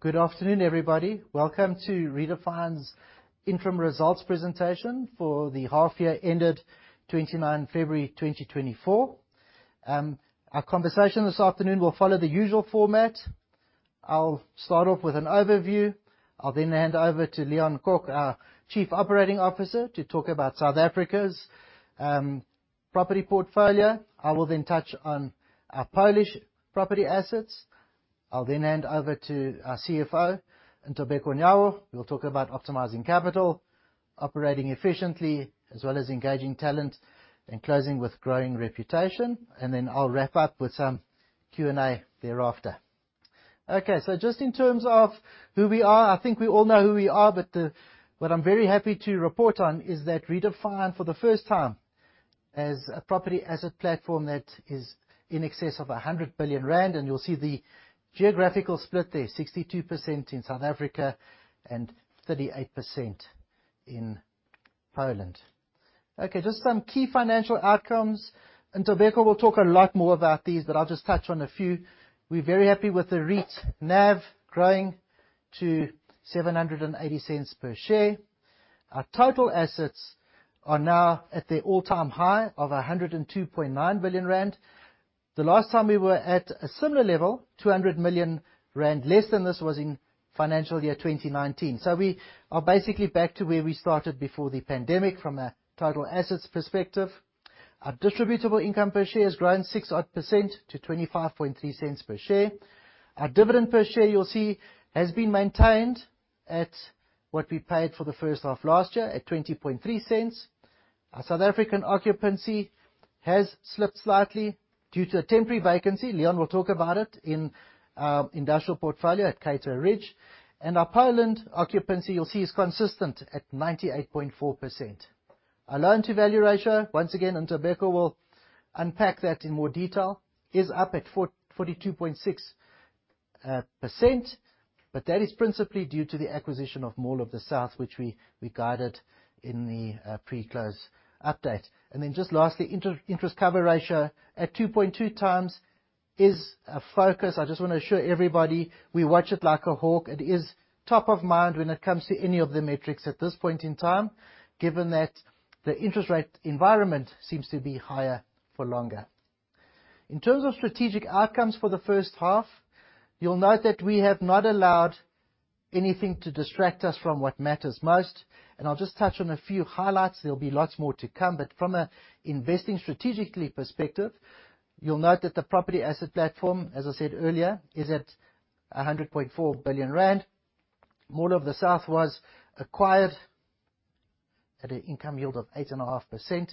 Good afternoon, everybody. Welcome to Redefine's interim results presentation for the half year ended 29 February 2024. Our conversation this afternoon will follow the usual format. I'll start off with an overview. I'll then hand over to Leon Kok, our Chief Operating Officer, to talk about South Africa's property portfolio. I will then touch on our Polish property assets. I'll then hand over to our CFO, Ntobeko Nyawo, who will talk about optimizing capital, operating efficiently, as well as engaging talent and closing with growing reputation. Then I'll wrap up with some Q&A thereafter. Okay, so just in terms of who we are, I think we all know who we are, but what I'm very happy to report on is that Redefine for the first time as a property asset platform that is in excess of 100 billion rand. You'll see the geographical split there, 62% in South Africa and 38% in Poland. Okay, just some key financial outcomes. Ntobeko will talk a lot more about these, but I'll just touch on a few. We're very happy with the REIT NAV growing to 7.80 per share. Our total assets are now at their all-time high of 102.9 billion rand. The last time we were at a similar level, 200 million rand less than this, was in financial year 2019. We are basically back to where we started before the pandemic from a total assets perspective. Our distributable income per share has grown 6-odd% to 0.253 per share. Our dividend per share, you'll see, has been maintained at what we paid for the first half last year at 0.203. Our South African occupancy has slipped slightly due to a temporary vacancy. Leon will talk about it in industrial portfolio at Cato Ridge. Our Poland occupancy, you'll see, is consistent at 98.4%. Our loan-to-value ratio, once again, Ntobeko will unpack that in more detail, is up at 42.6%, but that is principally due to the acquisition of Mall of the South, which we guided in the pre-close update. Just lastly, interest cover ratio at 2.2x is a focus. I just wanna assure everybody we watch it like a hawk. It is top of mind when it comes to any of the metrics at this point in time, given that the interest rate environment seems to be higher for longer. In terms of strategic outcomes for the first half, you'll note that we have not allowed anything to distract us from what matters most, and I'll just touch on a few highlights. There'll be lots more to come, but from a investing strategically perspective, you'll note that the property asset platform, as I said earlier, is at 100.4 billion rand. Mall of the South was acquired at an income yield of 8.5%.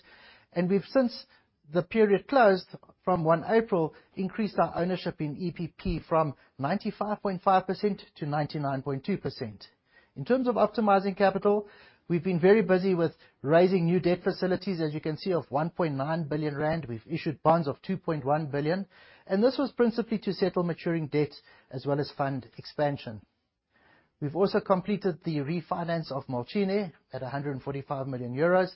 We've since the period closed from 1 April, increased our ownership in EPP from 95.5% to 99.2%. In terms of optimizing capital, we've been very busy with raising new debt facilities, as you can see, of 1.9 billion rand. We've issued bonds of 2.1 billion, and this was principally to settle maturing debt as well as fund expansion. We've also completed the refinance of Młociny at 145 million euros,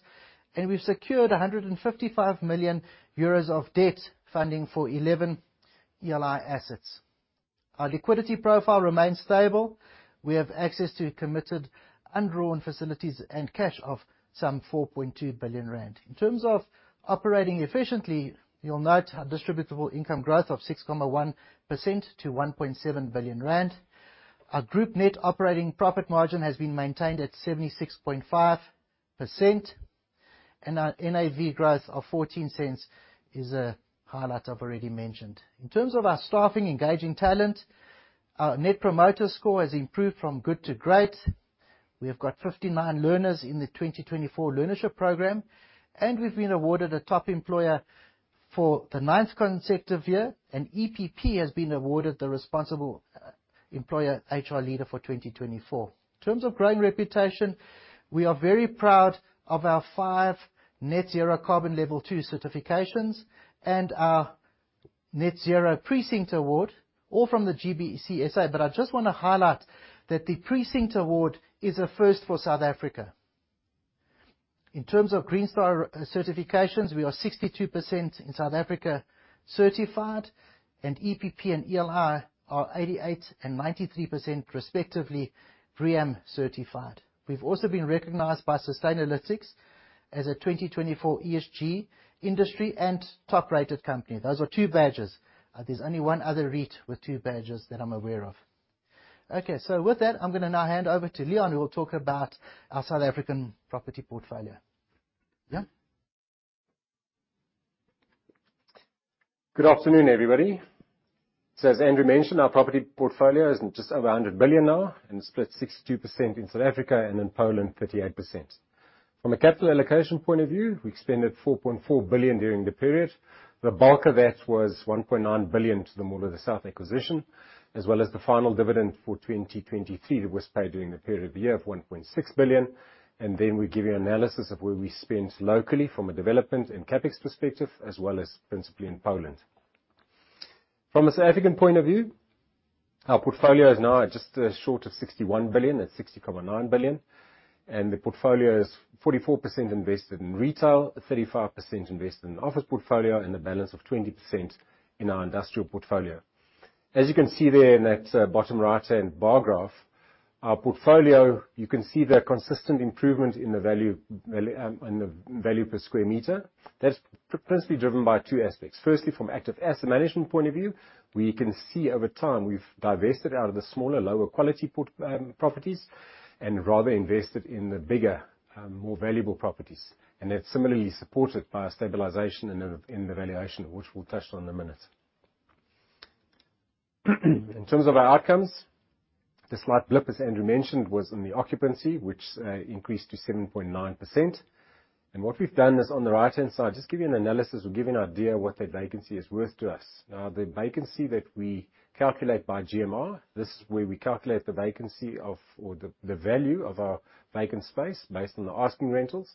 and we've secured 155 million euros of debt funding for 11 ELI assets. Our liquidity profile remains stable. We have access to committed undrawn facilities and cash of some 4.2 billion rand. In terms of operating efficiently, you'll note our distributable income growth of 6.1% to 1.7 billion rand. Our group net operating profit margin has been maintained at 76.5%, and our NAV growth of 0.14 Is a highlight I've already mentioned. In terms of our staffing, engaging talent, our Net Promoter Score has improved from good to great. We have got 59 learners in the 2024 learnership program, and we've been awarded a top employer for the 9th consecutive year, and EPP has been awarded the responsible employer HR leader for 2024. In terms of growing reputation, we are very proud of our 5 Net Zero Carbon Level 2 certifications and our Net Zero Precinct award, all from the GBCSA. I just wanna highlight that the precinct award is a first for South Africa. In terms of Green Star, uh, certifications, we are 62% in South Africa certified, and EPP and ELI are 88% and 93% respectively BREEAM certified. We've also been recognized by Sustainalytics as a 2024 ESG industry and top-rated company. Those are two badges. There's only one other REIT with two badges that I'm aware of. With that, I'm gonna now hand over to Leon, who will talk about our South African property portfolio. Leon? Good afternoon, everybody. As Andrew mentioned, our property portfolio is just over 100 billion now and split 62% in South Africa and in Poland, 38%. From a capital allocation point of view, we expended 4.4 billion during the period. The bulk of that was 1.9 billion to the Mall of the South acquisition, as well as the final dividend for 2023 that was paid during the period of the year of 1.6 billion. We give you analysis of where we spent locally from a development and CapEx perspective, as well as principally in Poland. From a South African point of view, our portfolio is now just short of 61 billion at 60.9 billion. The portfolio is 44% invested in retail, 35% invested in office portfolio, and the balance of 20% in our industrial portfolio. As you can see there in that bottom right-hand bar graph, our portfolio, you can see the consistent improvement in the value per square meter. That's principally driven by two aspects. Firstly, from active asset management point of view, we can see over time, we've divested out of the smaller, lower quality properties, and rather invested in the bigger, more valuable properties. That's similarly supported by a stabilization in the valuation, which we'll touch on in a minute. In terms of our outcomes, the slight blip, as Andrew mentioned, was in the occupancy, which increased to 7.9%. What we've done is, on the right-hand side, just give you an analysis or give you an idea what that vacancy is worth to us. Now, the vacancy that we calculate by GMR, this is where we calculate the vacancy of, or the value of our vacant space based on the asking rentals.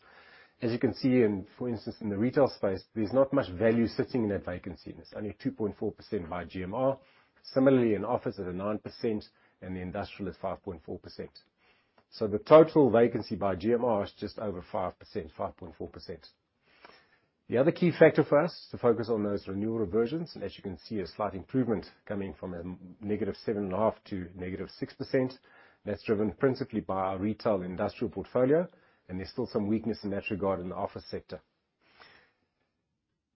As you can see, for instance, in the retail space, there's not much value sitting in that vacancy. It's only 2.4% by GMR. Similarly, in office at 9%, and the industrial is 5.4%. The total vacancy by GMR is just over 5%, 5.4%. The other key factor for us to focus on those renewal reversions, and as you can see, a slight improvement coming from -7.5% to -6%. That's driven principally by our retail and industrial portfolio, and there's still some weakness in that regard in the office sector.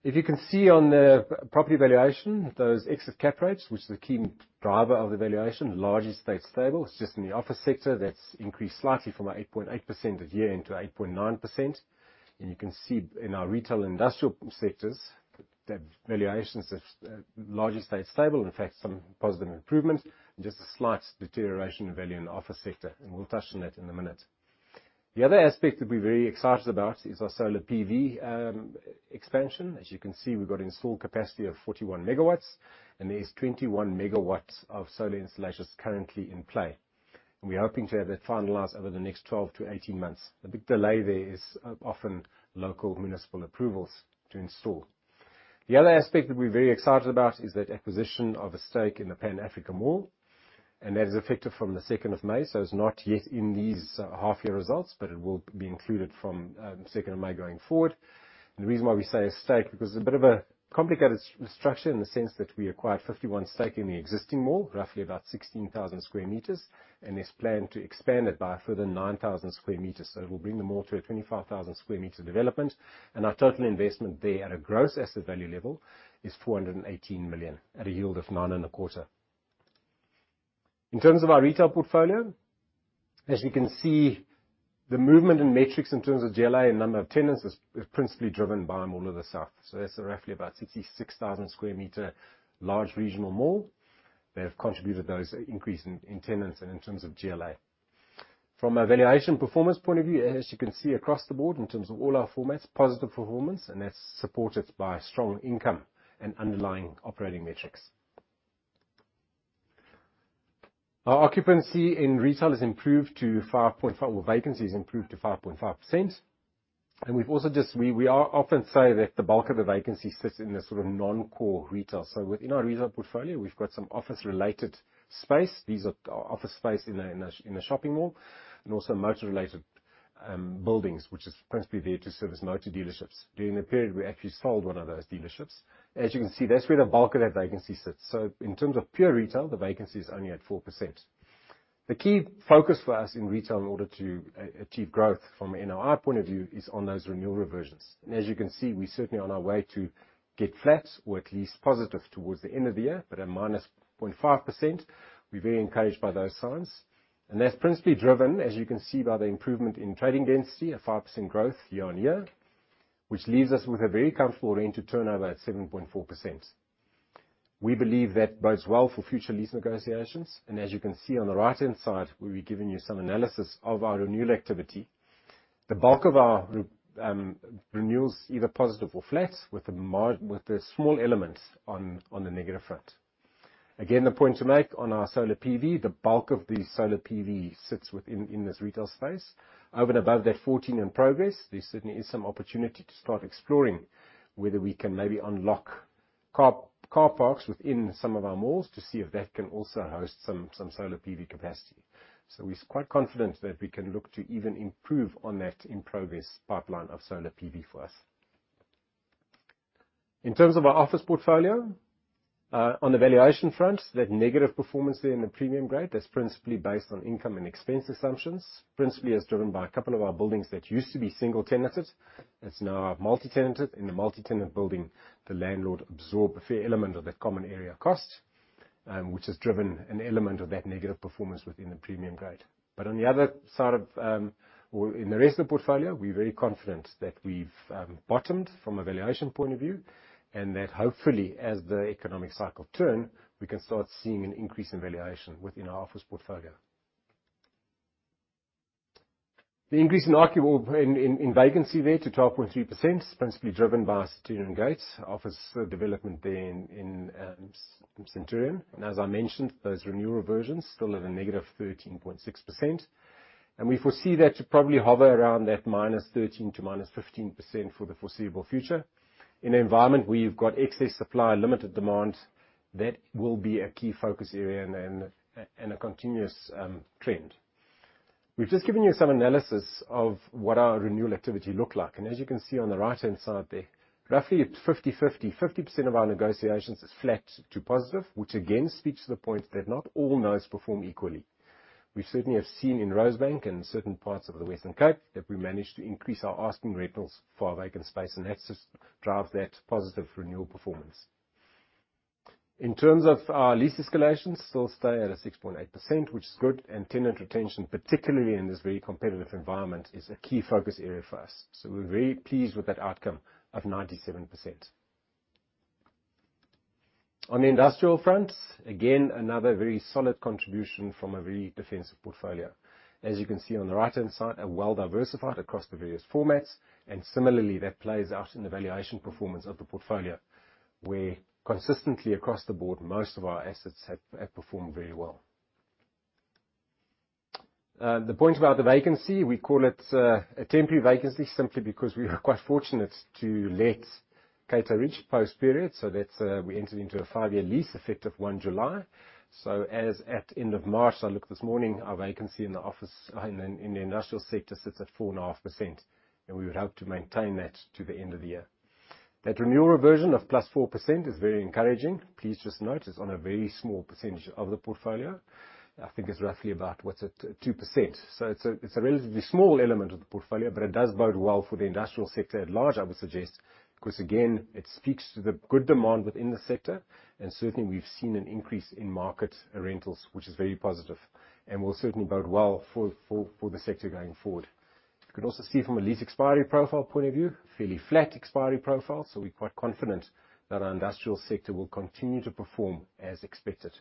If you can see on the property valuation, those exit cap rates, which is a key driver of the valuation, largely stayed stable. It's just in the office sector that's increased slightly from 8.8% at year-end to 8.9%. You can see in our retail and industrial sectors, the valuations have largely stayed stable. In fact, some positive improvement and just a slight deterioration in value in the office sector. We'll touch on that in a minute. The other aspect that we're very excited about is our solar PV expansion. As you can see, we've got installed capacity of 41 MW, and there is 21 MW of solar installations currently in play. We're hoping to have that finalized over the next 12 months-18 months. The big delay there is often local municipal approvals to install. The other aspect that we're very excited about is that acquisition of a stake in the Pan Africa Mall, and that is effective from the 2nd of May, so it's not yet in these half year results, but it will be included from 2nd of May going forward. The reason why we say a stake, because it's a bit of a complicated structure in the sense that we acquired 51% stake in the existing mall, roughly about 16,000 sq m, and there's plan to expand it by a further 9,000 sq m. It will bring the mall to a 25,000 sq m development. Our total investment there at a gross asset value level is 418 million at a yield of 9.25%. In terms of our retail portfolio, as you can see, the movement in metrics in terms of GLA and number of tenants is principally driven by Mall of the South. That's roughly about 66,000 sq m large regional mall that have contributed those increase in tenants and in terms of GLA. From a valuation performance point of view, as you can see across the board in terms of all our formats, positive performance, and that's supported by strong income and underlying operating metrics. Our vacancy in retail has improved to 5.5%. We often say that the bulk of the vacancy sits in the sort of non-core retail. Within our retail portfolio, we've got some office-related space. These are office space in a shopping mall, and also motor-related buildings, which is principally there to service motor dealerships. During the period, we actually sold one of those dealerships. As you can see, that's where the bulk of that vacancy sits. In terms of pure retail, the vacancy is only at 4%. The key focus for us in retail in order to achieve growth from an OI point of view is on those renewal reversions. As you can see, we're certainly on our way to get flats or at least positive towards the end of the year, but at -0.5%, we're very encouraged by those signs. That's principally driven, as you can see, by the improvement in trading density, a 5% growth year-on-year, which leaves us with a very comfortable rent to turnover at 7.4%. We believe that bodes well for future lease negotiations. As you can see on the right-hand side, we'll be giving you some analysis of our renewal activity. The bulk of our renewals, either positive or flat, with a small element on the negative front. Again, the point to make on our solar PV, the bulk of the solar PV sits within in this retail space. Over and above that 14 in progress, there certainly is some opportunity to start exploring whether we can maybe unlock car parks within some of our malls to see if that can also host some solar PV capacity. We're quite confident that we can look to even improve on that in-progress pipeline of solar PV for us. In terms of our office portfolio, on the valuation front, that negative performance there in the premium grade, that's principally based on income and expense assumptions, principally as driven by a couple of our buildings that used to be single tenanted. That's now multi-tenanted. In a multi-tenant building, the landlord absorb a fair element of that common area cost, which has driven an element of that negative performance within the premium grade. On the other side of, or in the rest of the portfolio, we're very confident that we've bottomed from a valuation point of view, and that hopefully, as the economic cycle turn, we can start seeing an increase in valuation within our office portfolio. Vacancy there to 12.3% is principally driven by Centurion Gate office development there in Centurion. As I mentioned, those renewal reversions still at a -13.6%. We foresee that to probably hover around that -13% to -15% for the foreseeable future. In an environment where you've got excess supply and limited demand, that will be a key focus area and a continuous trend. We've just given you some analysis of what our renewal activity look like. As you can see on the right-hand side there, roughly it's 50/50. 50% of our negotiations is flat to positive, which again speaks to the point that not all nodes perform equally. We certainly have seen in Rosebank and certain parts of the Western Cape, that we managed to increase our asking rentals for our vacant space, and that's just drive that positive renewal performance. In terms of our lease escalation, still stay at a 6.8%, which is good, and tenant retention, particularly in this very competitive environment, is a key focus area for us. We're very pleased with that outcome of 97%. On the industrial front, again, another very solid contribution from a very defensive portfolio. As you can see on the right-hand side, are well diversified across the various formats, and similarly, that plays out in the valuation performance of the portfolio, where consistently across the board, most of our assets have performed very well. The point about the vacancy, we call it a temporary vacancy, simply because we were quite fortunate to let Cato Ridge post period. We entered into a 5-year lease effective 1 July. As at end of March, I looked this morning, our vacancy in the industrial sector sits at 4.5%, and we would hope to maintain that to the end of the year. That renewal reversion of +4% is very encouraging. Please just note it's on a very small percentage of the portfolio. I think it's roughly about, what's it? 2%. It's a relatively small element of the portfolio, but it does bode well for the industrial sector at large, I would suggest, 'cause, again, it speaks to the good demand within the sector. Certainly we've seen an increase in market rentals, which is very positive and will certainly bode well for the sector going forward. You could also see from a lease expiry profile point of view, fairly flat expiry profile, so we're quite confident that our industrial sector will continue to perform as expected.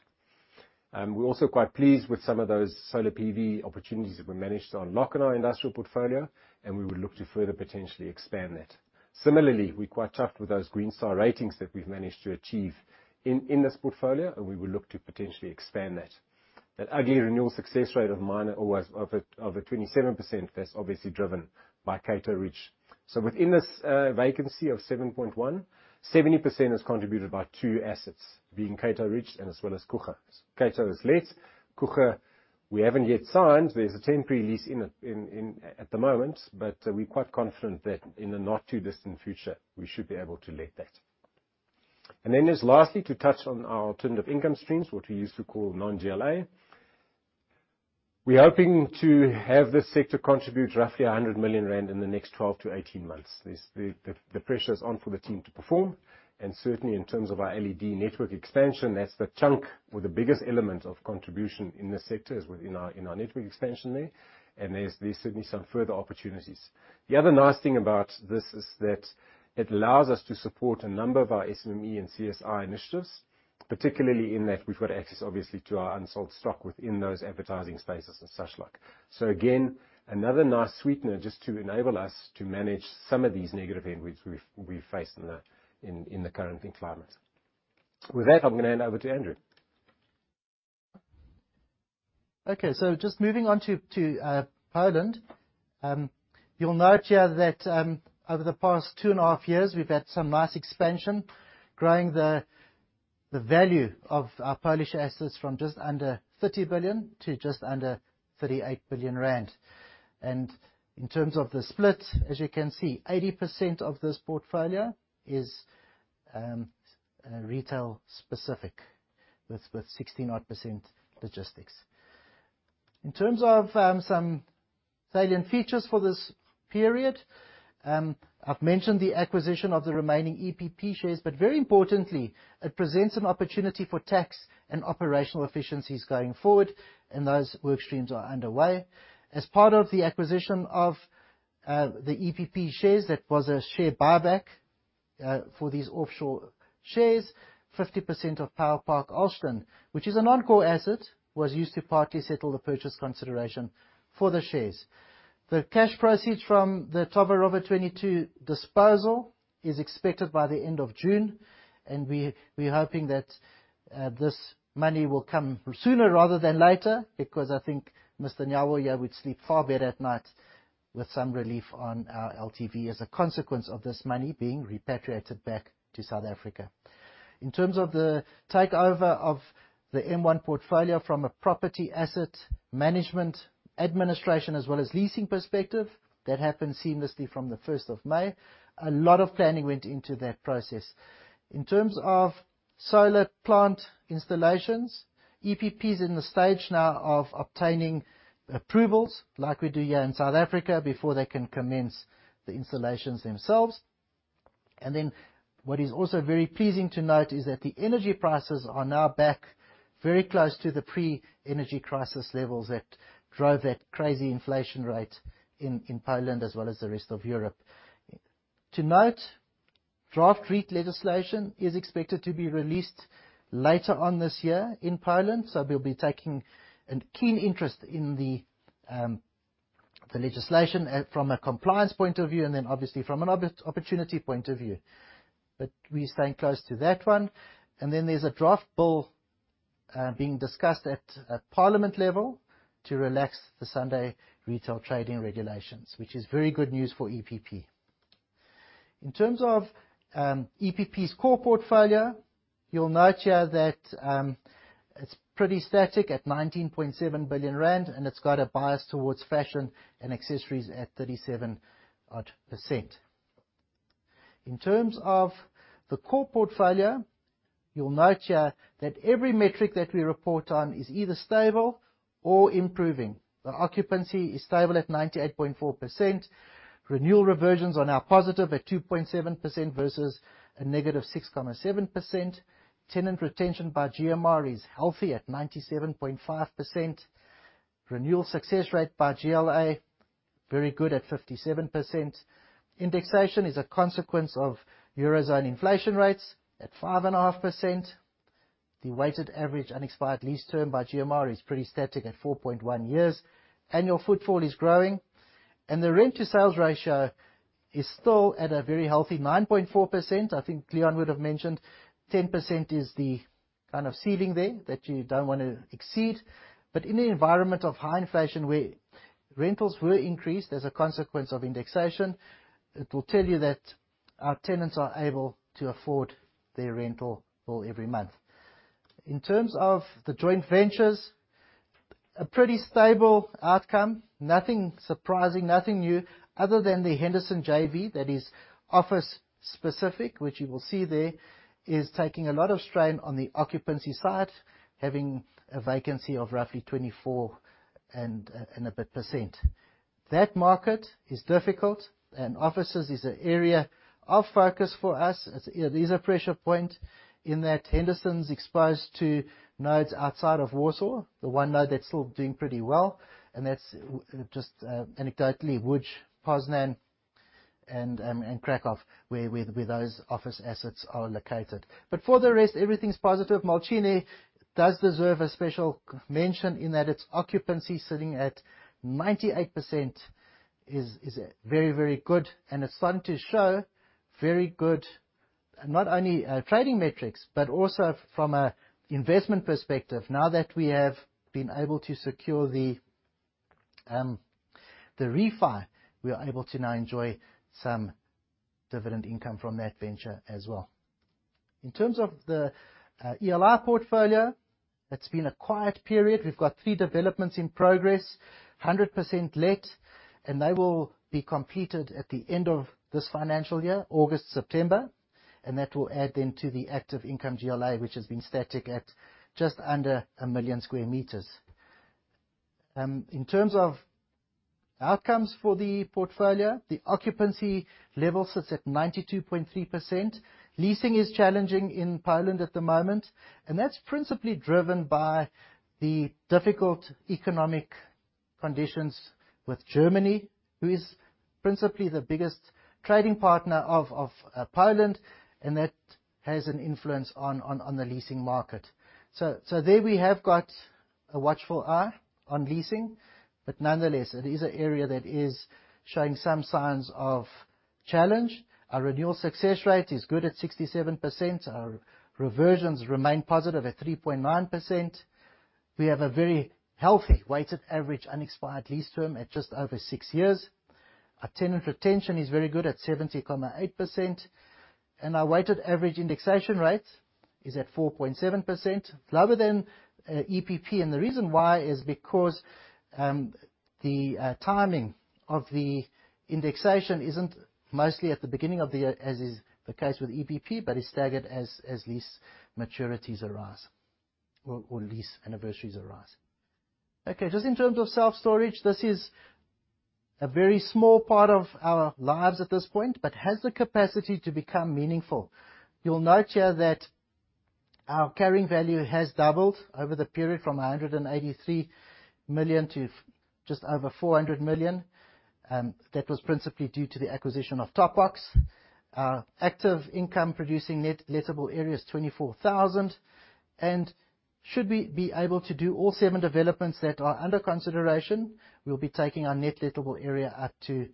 We're also quite pleased with some of those solar PV opportunities that we managed to unlock in our industrial portfolio, and we will look to further potentially expand that. Similarly, we're quite chuffed with those Green Star ratings that we've managed to achieve in this portfolio, and we will look to potentially expand that. That vacancy renewal success rate of 90% was over 27%. That's obviously driven by Cato Ridge. Within this, vacancy of 7.1%, 70% is contributed by two assets, being Cato Ridge as well as Coega. Cato is let. Coega, we haven't yet signed. There's a temporary lease in it at the moment, but we're quite confident that in the not-too-distant future, we should be able to let that. Just lastly, to touch on our alternative income streams, what we used to call non-GLA. We're hoping to have this sector contribute roughly 100 million rand in the next 12 months-18 months. The pressure is on for the team to perform. Certainly in terms of our LED network expansion, that's the chunk or the biggest element of contribution in this sector is within our network expansion there. There's certainly some further opportunities. The other nice thing about this is that it allows us to support a number of our SME and CSI initiatives, particularly in that we've got access, obviously, to our unsold stock within those advertising spaces and such like. Again, another nice sweetener just to enable us to manage some of these negative headwinds we've faced in the current environment. With that, I'm gonna hand over to Andrew. Just moving on to Poland. You'll note here that over the past two and a half years we've had some nice expansion, growing the value of our Polish assets from just under 30 billion to just under 38 billion rand. In terms of the split, as you can see, 80% of this portfolio is retail specific, with 16-odd% logistics. In terms of some salient features for this period, I've mentioned the acquisition of the remaining EPP shares, but very importantly, it presents an opportunity for tax and operational efficiencies going forward, and those workstreams are underway. As part of the acquisition of the EPP shares, that was a share buyback for these offshore shares, 50% of Power Park Olsztyn, which is a non-core asset, was used to partly settle the purchase consideration for the shares. The cash proceeds from the Towarowa 22 disposal is expected by the end of June, and we're hoping that this money will come sooner rather than later, because I think Mr. Nyawo would sleep far better at night with some relief on our LTV as a consequence of this money being repatriated back to South Africa. In terms of the takeover of the M1 portfolio from a property asset management administration as well as leasing perspective, that happened seamlessly from the 1st of May. A lot of planning went into that process. In terms of solar plant installations, EPP is in the stage now of obtaining approvals, like we do here in South Africa, before they can commence the installations themselves. What is also very pleasing to note is that the energy prices are now back very close to the pre-energy crisis levels that drove that crazy inflation rate in Poland, as well as the rest of Europe. To note, draft REIT legislation is expected to be released later on this year in Poland. We'll be taking a keen interest in the legislation from a compliance point of view, and then obviously from an opportunity point of view. We're staying close to that one. There's a draft bill being discussed at parliament level to relax the Sunday retail trading regulations, which is very good news for EPP. In terms of EPP's core portfolio, you'll note here that it's pretty static at 19.7 billion rand, and it's got a bias towards fashion and accessories at 37-odd%. In terms of the core portfolio, you'll note here that every metric that we report on is either stable or improving. The occupancy is stable at 98.4%. Renewal reversions are now positive at 2.7% versus a negative 6.7%. Tenant retention by GMR is healthy at 97.5%. Renewal success rate by GLA, very good at 57%. Indexation is a consequence of Eurozone inflation rates at 5.5%. The weighted average unexpired lease term by GMR is pretty static at 4.1 years. Annual footfall is growing. The rent-to-sales ratio is still at a very healthy 9.4%. I think Leon would have mentioned 10% is the kind of ceiling there that you don't wanna exceed. In an environment of high inflation where rentals were increased as a consequence of indexation, it will tell you that our tenants are able to afford their rental bill every month. In terms of the joint ventures, a pretty stable outcome. Nothing surprising, nothing new, other than the Henderson JV that is office specific, which you will see there is taking a lot of strain on the occupancy side, having a vacancy of roughly 24 and a bit percent. That market is difficult and offices is an area of focus for us. It is a pressure point in that Henderson's exposed to nodes outside of Warsaw, the one node that's still doing pretty well, and that's just anecdotally Łódź, Poznań, and Kraków, where those office assets are located. For the rest, everything's positive. Młociny does deserve a special mention in that its occupancy sitting at 98% is very, very good. It's starting to show very good not only trading metrics, but also from an investment perspective. Now that we have been able to secure the refi, we are able to now enjoy some dividend income from that venture as well. In terms of the ELI portfolio, it's been a quiet period. We've got three developments in progress, 100% let, and they will be completed at the end of this financial year, August, September. That will add then to the active income GLA, which has been static at just under 1 million sq m. In terms of outcomes for the portfolio, the occupancy level sits at 92.3%. Leasing is challenging in Poland at the moment, and that's principally driven by the difficult economic conditions with Germany, who is principally the biggest trading partner of Poland, and that has an influence on the leasing market. There we have got a watchful eye on leasing, but nonetheless, it is an area that is showing some signs of challenge. Our renewal success rate is good at 67%. Our reversions remain positive at 3.9%. We have a very healthy weighted average unexpired lease term at just over 6 years. Our tenant retention is very good at 70.8%. Our weighted average indexation rate is at 4.7%. Lower than EPP, and the reason why is because the timing of the indexation isn't mostly at the beginning of the year, as is the case with EPP, but is staggered as lease maturities arise or lease anniversaries arise. Okay, just in terms of self-storage, this is a very small part of our lives at this point, but has the capacity to become meaningful. You'll note here that our carrying value has doubled over the period from 183 million to just over 400 million. That was principally due to the acquisition of Top Box. Our active income producing net lettable area is 24,000 sq m. Should we be able to do all seven developments that are under consideration, we'll be taking our net lettable area up to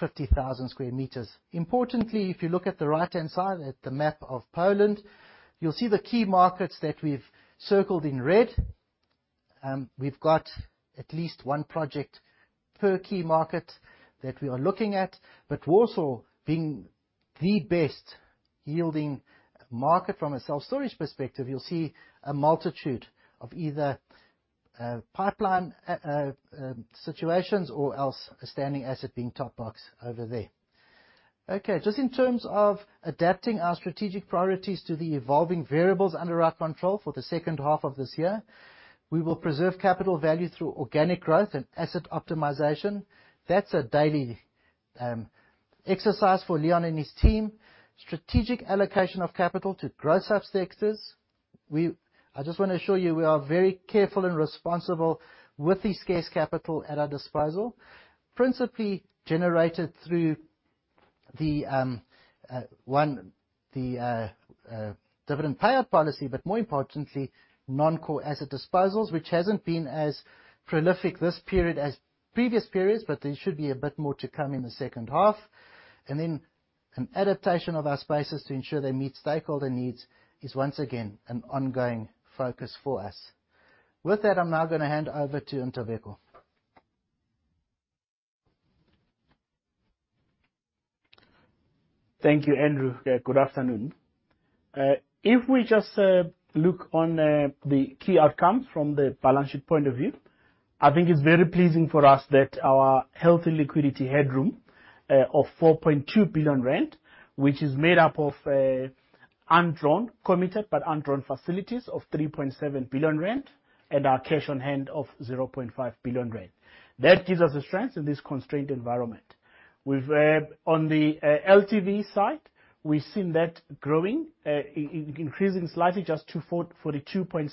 50,000 sq m. Importantly, if you look at the right-hand side at the map of Poland, you'll see the key markets that we've circled in red. We've got at least one project per key market that we are looking at. Warsaw being the best yielding market from a self-storage perspective, you'll see a multitude of either pipeline situations or else a standing asset being Top Box over there. Okay, just in terms of adapting our strategic priorities to the evolving variables under our control for the second half of this year, we will preserve capital value through organic growth and asset optimization. That's a daily exercise for Leon and his team. Strategic allocation of capital to growth subsectors. I just wanna assure you we are very careful and responsible with the scarce capital at our disposal. Principally generated through the dividend payout policy, but more importantly, non-core asset disposals, which hasn't been as prolific this period as previous periods, but there should be a bit more to come in the second half. An adaptation of our spaces to ensure they meet stakeholder needs is once again an ongoing focus for us. With that, I'm now gonna hand over to Ntobeko. Thank you, Andrew. Good afternoon. If we just look at the key outcomes from the balance sheet point of view, I think it's very pleasing for us that our healthy liquidity headroom of 4.2 billion rand, which is made up of undrawn, committed, but undrawn facilities of 3.7 billion rand and our cash on hand of 0.5 billion rand. That gives us a strength in this constrained environment. On the LTV side, we've seen that increasing slightly just to 42.6%.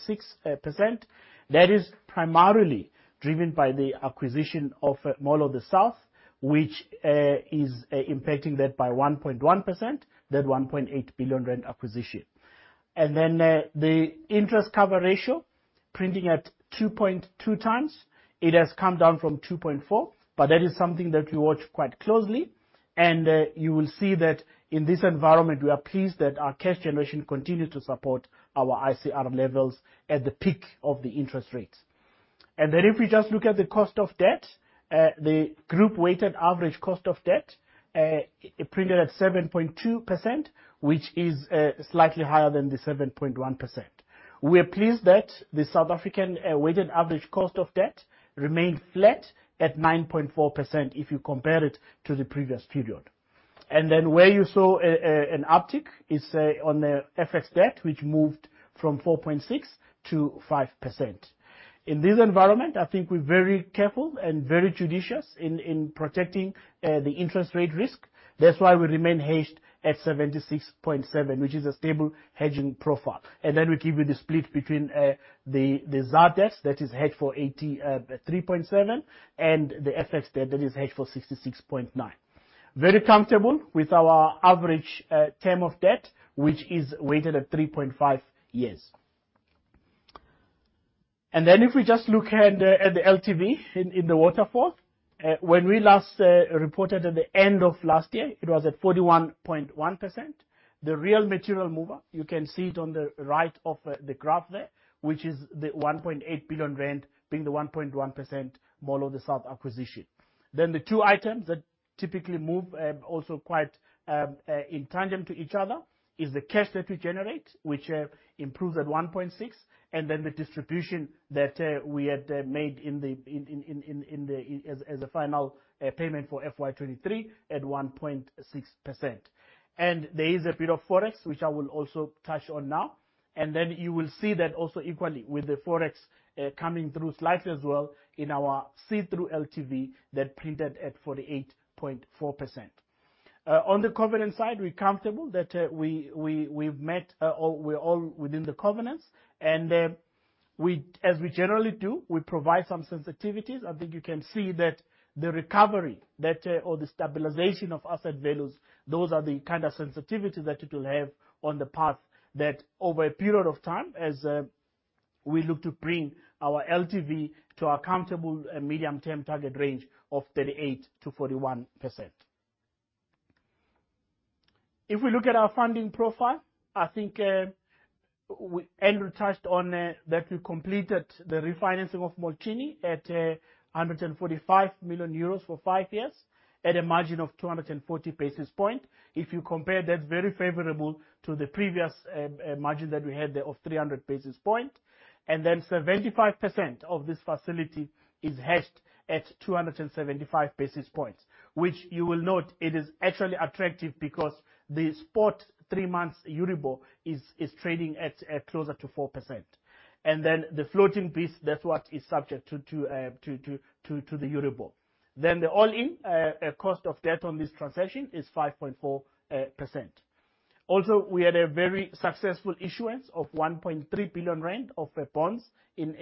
That is primarily driven by the acquisition of Mall of the South, which is impacting that by 1.1%, that 1.8 billion rand acquisition. The interest cover ratio printing at 2.2x. It has come down from 2.4x, but that is something that we watch quite closely. You will see that in this environment, we are pleased that our cash generation continued to support our ICR levels at the peak of the interest rates. If we just look at the cost of debt, the group weighted average cost of debt printed at 7.2%, which is slightly higher than the 7.1%. We are pleased that the South African weighted average cost of debt remained flat at 9.4% if you compare it to the previous period. Where you saw an uptick is on the FX debt, which moved from 4.6% to 5%. In this environment, I think we're very careful and very judicious in protecting the interest rate risk. That's why we remain hedged at 76.7, which is a stable hedging profile. We give you the split between the ZAR debt that is hedged for 83.7, and the FX debt that is hedged for 66.9. Very comfortable with our average term of debt, which is weighted at 3.5 years. If we just look at the LTV in the waterfall, when we last reported at the end of last year, it was at 41.1%. The real material mover, you can see it on the right of the graph there, which is the 1.8 billion, being the 1.1% Mall of the South acquisition. The two items that typically move also quite in tandem to each other is the cash that we generate, which improves at 1.6%, and then the distribution that we had made as a final payment for FY 2023 at 1.6%. There is a bit of Forex, which I will also touch on now, and then you will see that also equally with the Forex coming through slightly as well in our see-through LTV that printed at 48.4%. On the covenant side, we're comfortable that we've met all, we're all within the covenants. As we generally do, we provide some sensitivities. I think you can see that the recovery or the stabilization of asset values, those are the kind of sensitivity that it will have on the path that over a period of time as we look to bring our LTV to our comfortable medium term target range of 38%-41%. If we look at our funding profile, I think Andrew touched on that we completed the refinancing of Młociny at 145 million euros for 5 years at a margin of 240 basis points. If you compare, that's very favorable to the previous margin that we had there of 300 basis points. 75% of this facility is hedged at 275 basis points, which you will note it is actually attractive because the spot 3-month EURIBOR is trading at closer to 4%. The floating piece, that's what is subject to the EURIBOR. The all-in cost of debt on this transaction is 5.4%. We had a very successful issuance of 1.3 billion rand of bonds in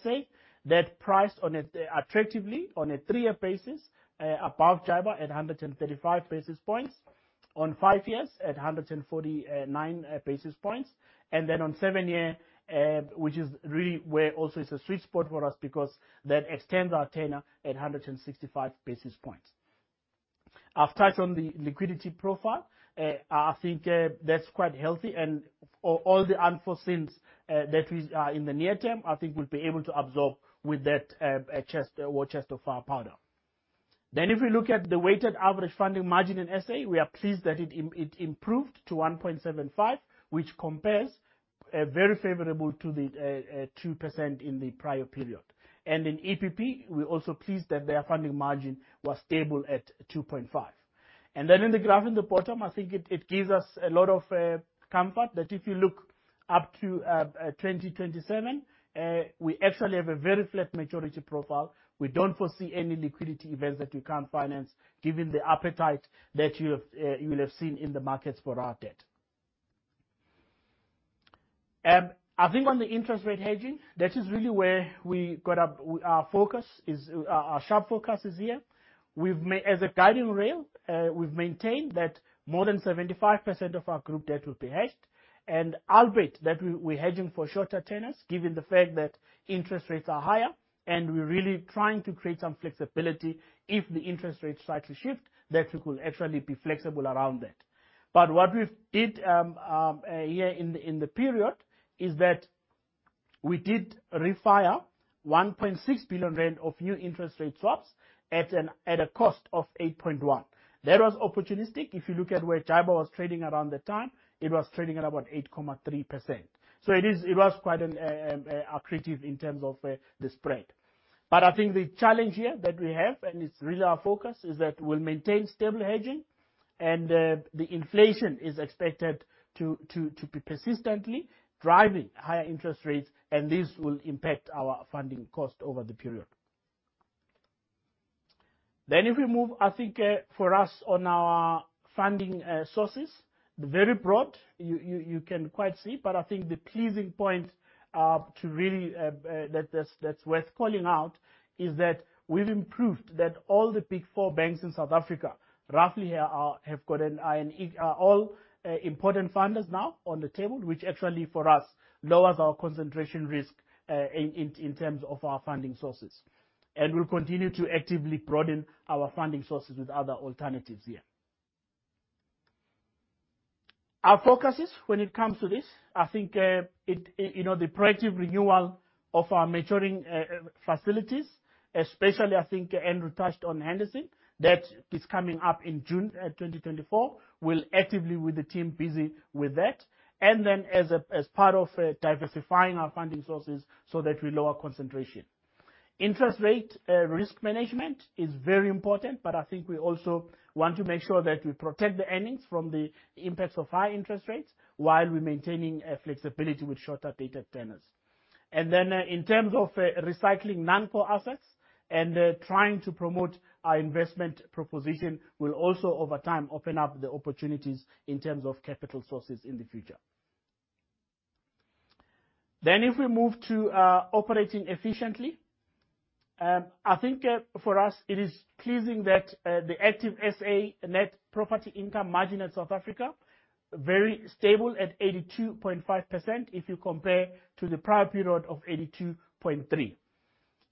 SA that priced attractively on a 3-year basis above JIBAR at 135 basis points, on 5-year at 149 basis points, and then on 7-year, which is really where our sweet spot is for us because that extends our tenor at 165 basis points. I've touched on the liquidity profile. I think that's quite healthy and for all the unforeseens, that is, in the near term, I think we'll be able to absorb with that chest of our powder. If we look at the weighted average funding margin in SA, we are pleased that it improved to 1.75%, which compares very favorable to the 2% in the prior period. In EPP, we're also pleased that their funding margin was stable at 2.5%. In the graph in the bottom, I think it gives us a lot of comfort that if you look up to 2027, we actually have a very flat maturity profile. We don't foresee any liquidity events that we can't finance given the appetite that you will have seen in the markets for our debt. I think on the interest rate hedging, that is really where our sharp focus is here. As a guiding rail, we've maintained that more than 75% of our group debt will be hedged. Albeit that we're hedging for shorter tenors, given the fact that interest rates are higher and we're really trying to create some flexibility, if the interest rates start to shift, that we could actually be flexible around that. What we've did here in the period is we did refinance 1.6 billion rand of new interest rate swaps at a cost of 8.1%. That was opportunistic. If you look at where JIBAR was trading around the time, it was trading at about 8.3%. It was quite an accretive in terms of the spread. I think the challenge here that we have, and it's really our focus, is that we'll maintain stable hedging and the inflation is expected to be persistently driving higher interest rates, and this will impact our funding cost over the period. If we move, I think, for us on our funding sources, very broad, you can quite see, but I think the pleasing point that's worth calling out is that we've improved that all the Big Four banks in South Africa are important funders now on the table, which actually for us lowers our concentration risk in terms of our funding sources. We'll continue to actively broaden our funding sources with other alternatives here. Our focuses when it comes to this, I think, you know, the proactive renewal of our maturing facilities, especially I think Andrew touched on Henderson, that is coming up in June 2024. We'll actively with the team busy with that. As part of diversifying our funding sources so that we lower concentration. Interest rate risk management is very important, but I think we also want to make sure that we protect the earnings from the impacts of high interest rates while we're maintaining flexibility with shorter-dated tenants. In terms of recycling non-core assets and trying to promote our investment proposition will also over time open up the opportunities in terms of capital sources in the future. If we move to operating efficiently, I think for us it is pleasing that the Active SA net property income margin in South Africa very stable at 82.5% if you compare to the prior period of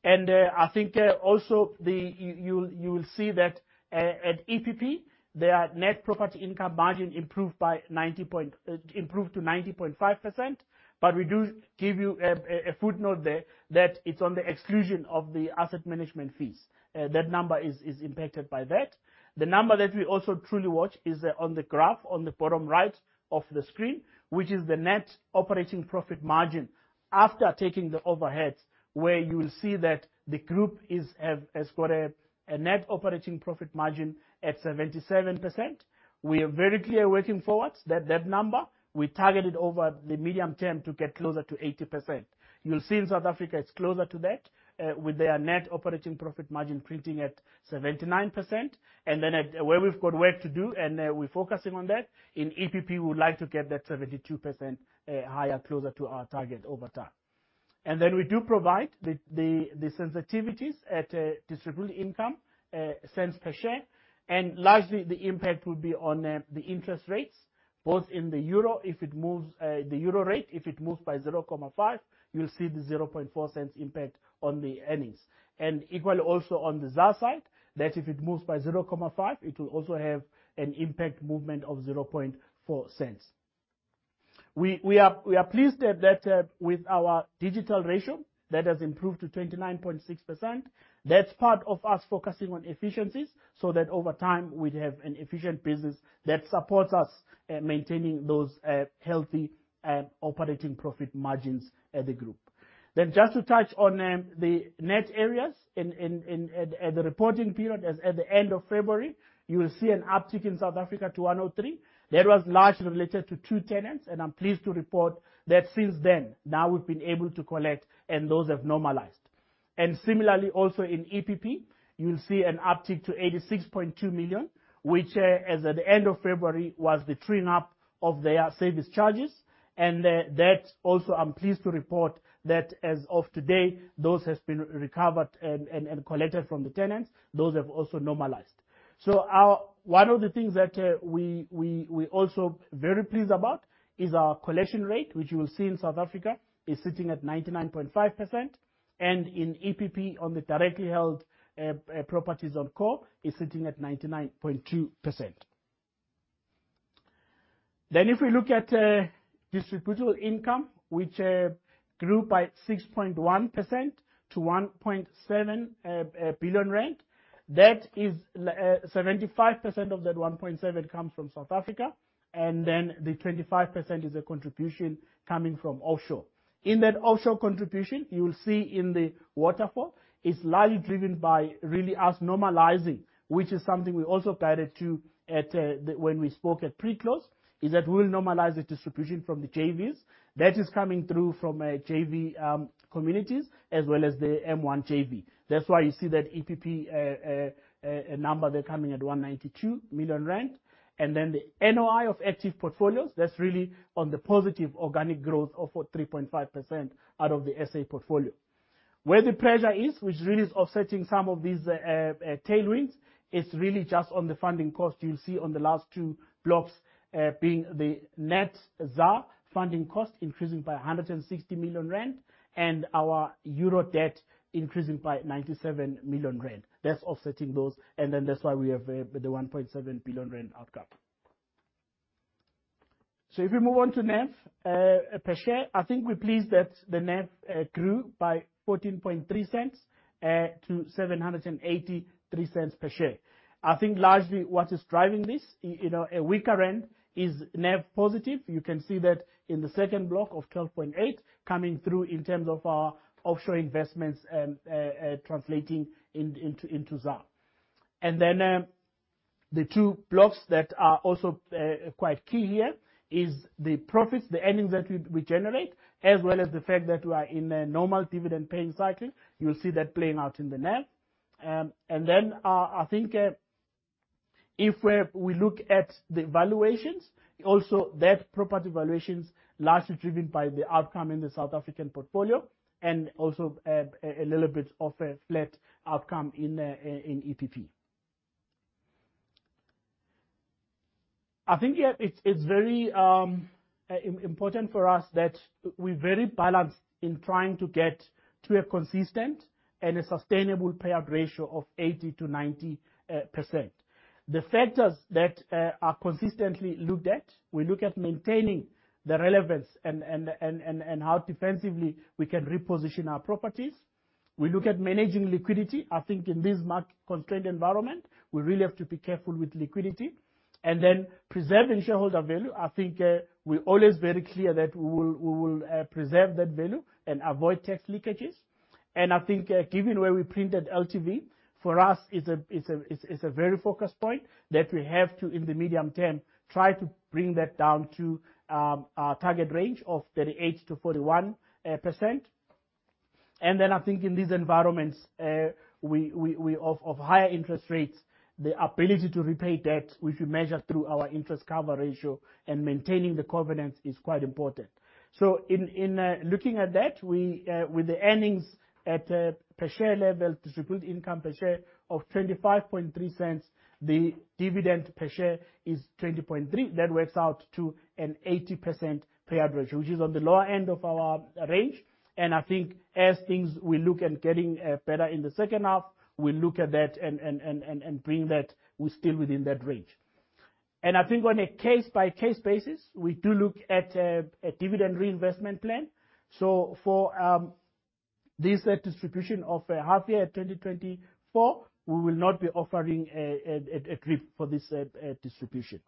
82.3%. I think also you'll see that at EPP, their net property income margin improved to 90.5%, but we do give you a footnote there that it's on the exclusion of the asset management fees. That number is impacted by that. The number that we also truly watch is on the graph on the bottom right of the screen, which is the net operating profit margin after taking the overheads, where you'll see that the group has got a net operating profit margin at 77%. We are very clear working forward that that number we targeted over the medium term to get closer to 80%. You'll see in South Africa it's closer to that, with their net operating profit margin printing at 79%. At where we've got work to do and we're focusing on that, in EPP we would like to get that 72% higher closer to our target over time. We do provide the sensitivities at distributable income cents per share, and largely the impact will be on the interest rates, both in the euro rate if it moves by 0.5, you'll see the 0.4 impact on the earnings. Equally also on the ZAR side, that if it moves by 0.5, it will also have an impact movement of 0.4. We are pleased at that with our digital ratio that has improved to 29.6%. That's part of us focusing on efficiencies so that over time we'd have an efficient business that supports us maintaining those healthy operating profit margins at the group. Just to touch on the net arrears as at the reporting period as at the end of February, you'll see an uptick in South Africa to 103. That was largely related to two tenants, and I'm pleased to report that since then, now we've been able to collect and those have normalized. Similarly also in EPP, you'll see an uptick to 86.2 million, which, as at the end of February, was the truing up of their service charges. That also I'm pleased to report that as of today, those has been recovered and collected from the tenants. Those have also normalized. One of the things that we also very pleased about is our collection rate, which you will see in South Africa is sitting at 99.5% and in EPP on the directly held properties on core is sitting at 99.2%. If we look at distributable income, which grew by 6.1% to 1.7 billion rand, that is 75% of that 1.7 billion comes from South Africa, and the 25% is a contribution coming from offshore. In that offshore contribution, you'll see in the waterfall is largely driven by really us normalizing, which is something we also guided to at when we spoke at pre-close, is that we'll normalize the distribution from the JVs. That is coming through from JV communities as well as the M1 JV. That's why you see that EPP a number there coming at 192 million rand. Then the NOI of active portfolios, that's really on the positive organic growth of 3.5% out of the SA portfolio. Where the pressure is, which really is offsetting some of these tailwinds, it's really just on the funding cost you'll see on the last two blocks being the net ZAR funding cost increasing by 160 million rand and our euro debt increasing by 97 million rand. That's offsetting those, and then that's why we have the 1.7 billion rand outcome. If we move on to NAV per share, I think we're pleased that the NAV grew by 0.143 to 7.83 per share. I think largely what is driving this, you know, a weaker rand is NAV positive. You can see that in the second block of 12.8 coming through in terms of our offshore investments translating into ZAR. The two blocks that are also quite key here is the profits, the earnings that we generate, as well as the fact that we are in a normal dividend-paying cycle. You'll see that playing out in the NAV. I think we look at the valuations, also that property valuations largely driven by the outcome in the South African portfolio and also a little bit of a flat outcome in EPP. I think it's very important for us that we're very balanced in trying to get to a consistent and a sustainable payout ratio of 80%-90%. The factors that are consistently looked at, we look at maintaining the relevance and how defensively we can reposition our properties. We look at managing liquidity. I think in this market-constrained environment, we really have to be careful with liquidity. Preserving shareholder value, I think we're always very clear that we will preserve that value and avoid tax leakages. I think, given where we printed LTV, for us it's a very focal point that we have to, in the medium term, try to bring that down to our target range of 38%-41%. Then I think in these environments of higher interest rates, the ability to repay debt, which we measure through our interest cover ratio and maintaining the covenants is quite important. In looking at that, we with the earnings at a per share level, distributed income per share of 0.253, the dividend per share is 0.203. That works out to an 80% payout ratio, which is on the lower end of our range. I think as things start to get better in the second half, we'll look at that and bring that. We're still within that range. I think on a case-by-case basis, we do look at a dividend reinvestment plan. For this distribution of half year 2024, we will not be offering a DRIP for this distribution.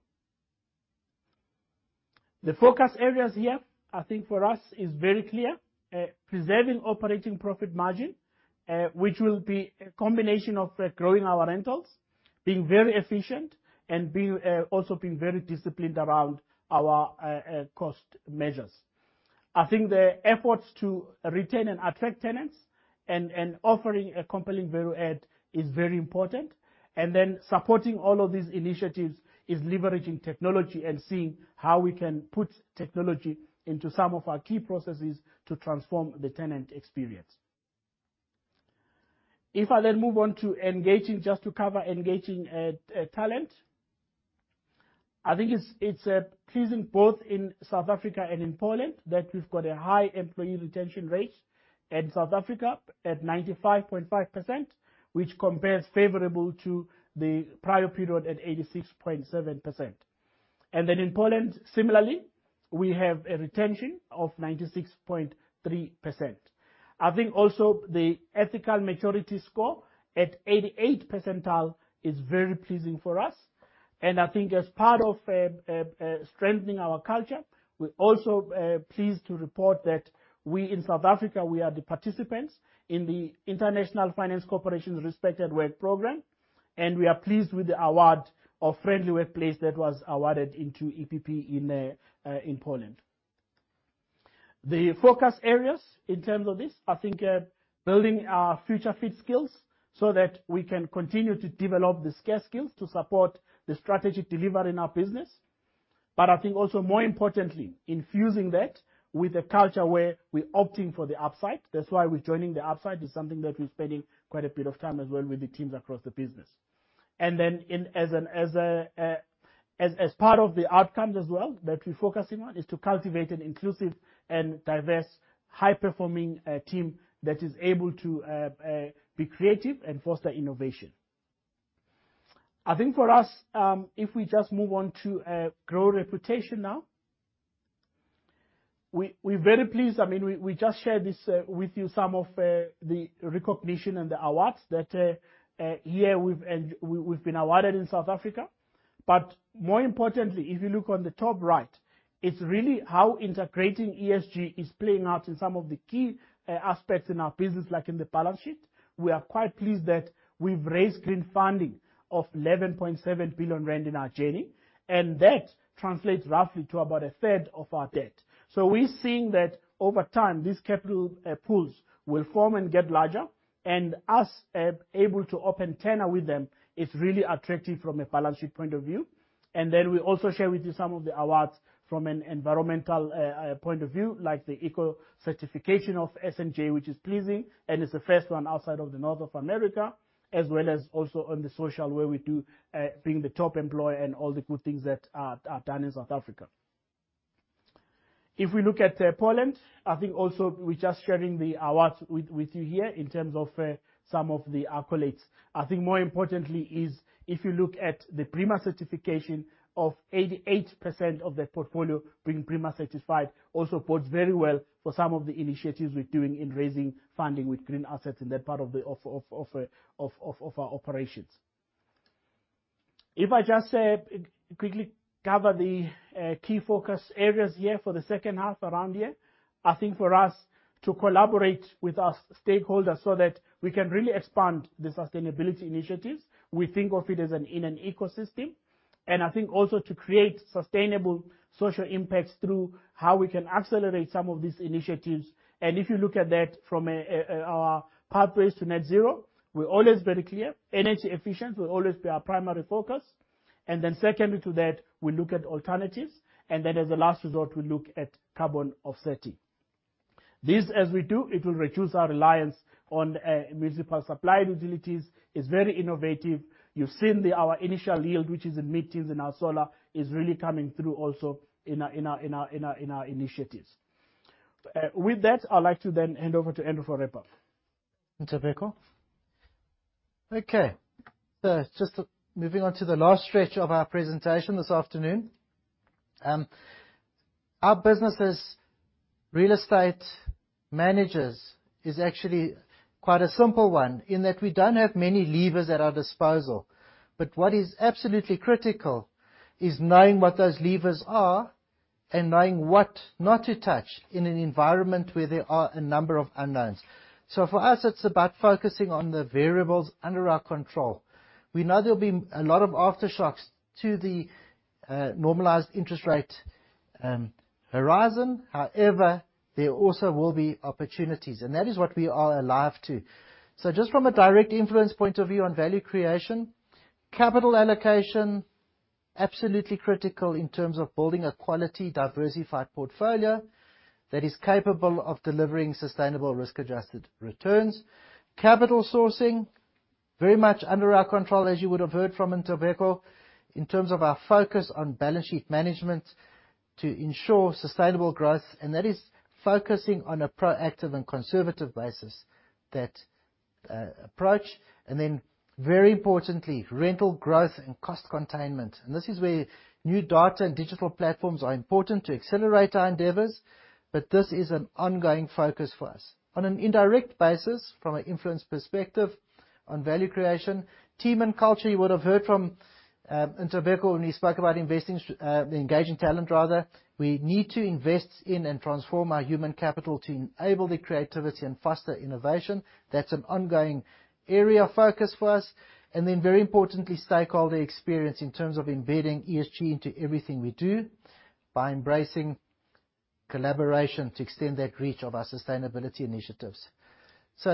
The focus areas here, I think for us is very clear. Preserving operating profit margin, which will be a combination of growing our rentals, being very efficient and being very disciplined around our cost measures. I think the efforts to retain and attract tenants and offering a compelling value add is very important. Supporting all of these initiatives is leveraging technology and seeing how we can put technology into some of our key processes to transform the tenant experience. If I then move on to engaging talent. I think it's pleasing both in South Africa and in Poland that we've got a high employee retention rate in South Africa at 95.5%, which compares favorably to the prior period at 86.7%. In Poland, similarly, we have a retention of 96.3%. I think also the ethical maturity score at 88th percentile is very pleasing for us. I think as part of strengthening our culture, we're also pleased to report that we, in South Africa, we are participants in the International Finance Corporation's Respectful Workplaces program, and we are pleased with the Friendly Workplace award that was awarded to EPP in Poland. The focus areas in terms of this, I think, building our future fit skills so that we can continue to develop the scarce skills to support the strategy delivery in our business. I think also more importantly, infusing that with a culture where we're opting for the upside. That's why we're owning the upside, is something that we're spending quite a bit of time as well with the teams across the business. As part of the outcomes as well that we're focusing on is to cultivate an inclusive and diverse, high-performing team that is able to be creative and foster innovation. I think for us, if we just move on to grow reputation now. We're very pleased. I mean, we just shared this with you, some of the recognition and the awards that we've been awarded in South Africa. More importantly, if you look on the top right, it's really how integrating ESG is playing out in some of the key aspects in our business, like in the balance sheet. We are quite pleased that we've raised green funding of 11.7 billion rand in our journey, and that translates roughly to about a third of our debt. We're seeing that over time, these capital pools will form and get larger. Our ability to obtain tenor with them is really attractive from a balance sheet point of view. We also share with you some of the awards from an environmental point of view, like the eco certification of S&J, which is pleasing, and it's the first one outside of North America, as well as also on the social where we do being the top employer and all the good things that are done in South Africa. If we look at Poland, I think also we're just sharing the awards with you here in terms of some of the accolades. I think more importantly is if you look at the BREEAM certification of 88% of the portfolio being BREEAM certified also bodes very well for some of the initiatives we're doing in raising funding with green assets in that part of our operations. If I just quickly cover the key focus areas here for the second half around here, I think for us to collaborate with our stakeholders so that we can really expand the sustainability initiatives. We think of it as an ecosystem, and I think also to create sustainable social impacts through how we can accelerate some of these initiatives. If you look at that from a pathway to net zero, we're always very clear. Energy efficient will always be our primary focus, and then secondly to that, we look at alternatives, and then as a last resort, we look at carbon offsetting. This, as we do, it will reduce our reliance on municipal supply utilities. It's very innovative. You've seen the. Our initial yield, which is in mid-teens in our solar, is really coming through also in our initiatives. With that, I'd like to then hand over to Andrew for wrap-up. Thank you, Ntobeko. Okay. Just moving on to the last stretch of our presentation this afternoon. Our business as real estate managers is actually quite a simple one in that we don't have many levers at our disposal. What is absolutely critical is knowing what those levers are and knowing what not to touch in an environment where there are a number of unknowns. For us, it's about focusing on the variables under our control. We know there'll be a lot of aftershocks to the normalized interest rate horizon. However, there also will be opportunities, and that is what we are alive to. Just from a direct influence point of view on value creation, capital allocation, absolutely critical in terms of building a quality, diversified portfolio that is capable of delivering sustainable risk-adjusted returns. Capital sourcing, very much under our control, as you would have heard from Ntobeko, in terms of our focus on balance sheet management to ensure sustainable growth, and that is focusing on a proactive and conservative basis, that approach. Then very importantly, rental growth and cost containment. This is where new data and digital platforms are important to accelerate our endeavors, but this is an ongoing focus for us. On an indirect basis, from an influence perspective on value creation, team and culture, you would have heard from Ntobeko when he spoke about engaging talent, rather. We need to invest in and transform our human capital to enable the creativity and foster innovation. That's an ongoing area of focus for us. Very importantly, stakeholder experience in terms of embedding ESG into everything we do by embracing collaboration to extend that reach of our sustainability initiatives.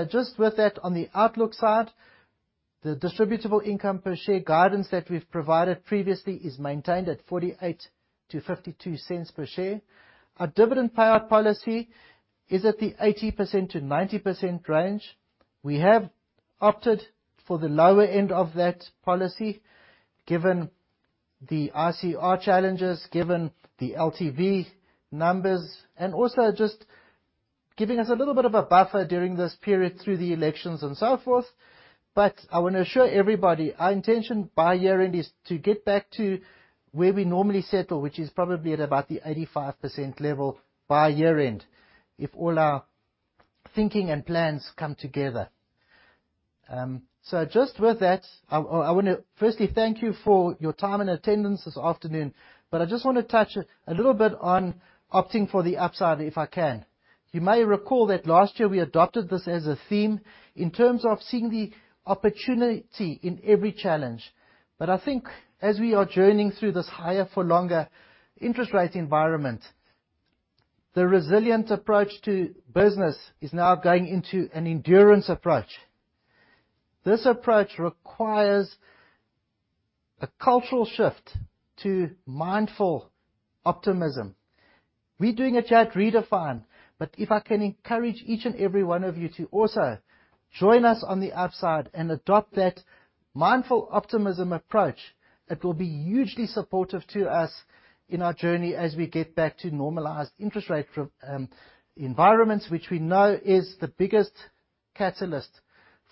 Just with that, on the outlook side, the distributable income per share guidance that we've provided previously is maintained at 0.48-0.52 per share. Our dividend payout policy is at the 80%-90% range. We have opted for the lower end of that policy, given the ICR challenges, given the LTV numbers, and also just giving us a little bit of a buffer during this period through the elections and so forth. I wanna assure everybody, our intention by year-end is to get back to where we normally settle, which is probably at about the 85% level by year-end, if all our thinking and plans come together. Just with that, I wanna firstly thank you for your time and attendance this afternoon. I just wanna touch a little bit on opting for the upside, if I can. You may recall that last year we adopted this as a theme in terms of seeing the opportunity in every challenge. I think as we are journeying through this higher for longer interest rate environment, the resilient approach to business is now going into an endurance approach. This approach requires a cultural shift to mindful optimism. We're doing that at Redefine, but if I can encourage each and every one of you to also join us on the upside and adopt that mindful optimism approach, it will be hugely supportive to us in our journey as we get back to normalized interest rate pro Environments, which we know is the biggest catalyst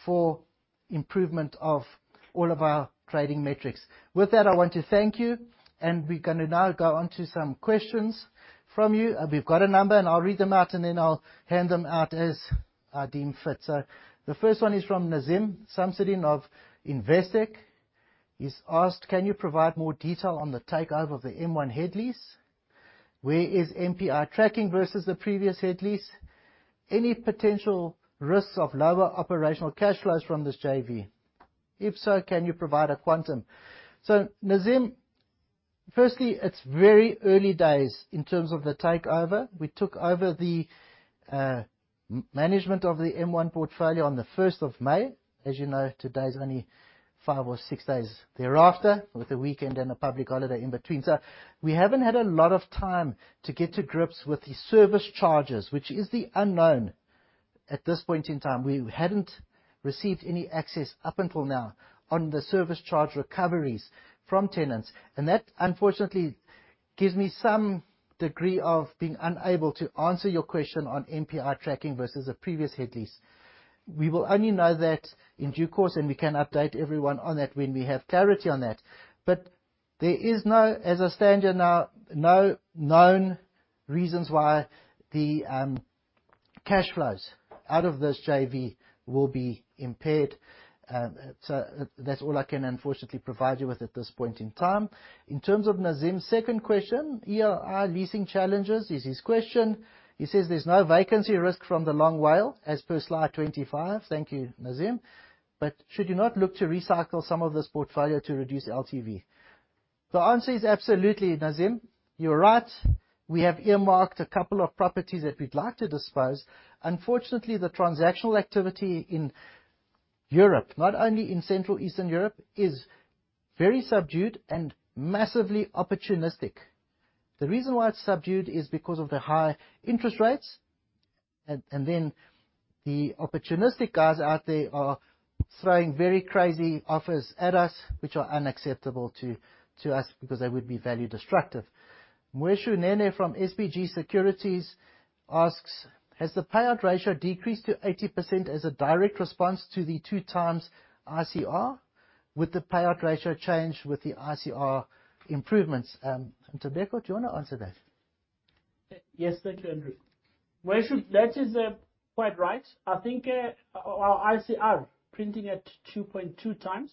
for improvement of all of our trading metrics. With that, I want to thank you, and we're gonna now go on to some questions from you. We've got a number, and I'll read them out, and then I'll hand them out as I deem fit. The first one is from Nazeem Samsodien of Investec. He's asked, "Can you provide more detail on the takeover of the M1 headlease? Where is MPI tracking versus the previous headlease? Any potential risks of lower operational cash flows from this JV? If so, can you provide a quantum?" Nazeem, firstly, it's very early days in terms of the takeover. We took over the management of the M1 portfolio on the 1st of May. As you know, today is only five or six days thereafter, with a weekend and a public holiday in between. We haven't had a lot of time to get to grips with the service charges, which is the unknown. At this point in time, we hadn't received any access up until now on the service charge recoveries from tenants, and that, unfortunately, gives me some degree of being unable to answer your question on MPI tracking versus a previous headlease. We will only know that in due course, and we can update everyone on that when we have clarity on it. There is no, as I stand here now, no known reasons why the cash flows out of this JV will be impaired. That's all I can unfortunately provide you with at this point in time. In terms of Nazeem's second question, ELI leasing challenges is his question. He says there's no vacancy risk from the long WALE as per slide 25. Thank you, Nazeem. But should you not look to recycle some of this portfolio to reduce LTV? The answer is absolutely, Nazeem. You're right, we have earmarked a couple of properties that we'd like to dispose. Unfortunately, the transactional activity in Europe, not only in central Eastern Europe, is very subdued and massively opportunistic. The reason why it's subdued is because of the high interest rates. Then the opportunistic guys out there are throwing very crazy offers at us which are unacceptable to us because they would be value destructive. Moitshu Nene from SBG Securities asks, "Has the payout ratio decreased to 80% as a direct response to the 2x ICR? Would the payout ratio change with the ICR improvements? Ntobeko, do you wanna answer that? Yes, thank you, Andrew. Moitshu, that is quite right. I think our ICR printing at 2.2x,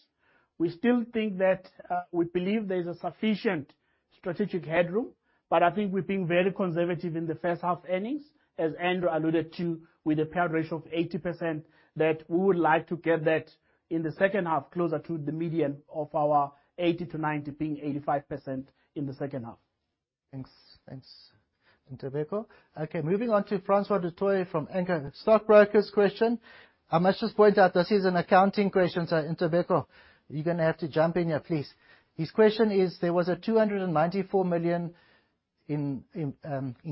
we still think that we believe there's a sufficient strategic headroom, but I think we're being very conservative in the first half earnings, as Andrew alluded to, with a payout ratio of 80%, that we would like to get that in the second half closer to the median of our 80%-90%, being 85% in the second half. Thanks. Thanks, Ntobeko. Okay, moving on to Francois du Toit from Anchor Stockbrokers' question. I must just point out this is an accounting question, so Ntobeko, you're gonna have to jump in here, please. His question is, there was a 294 million in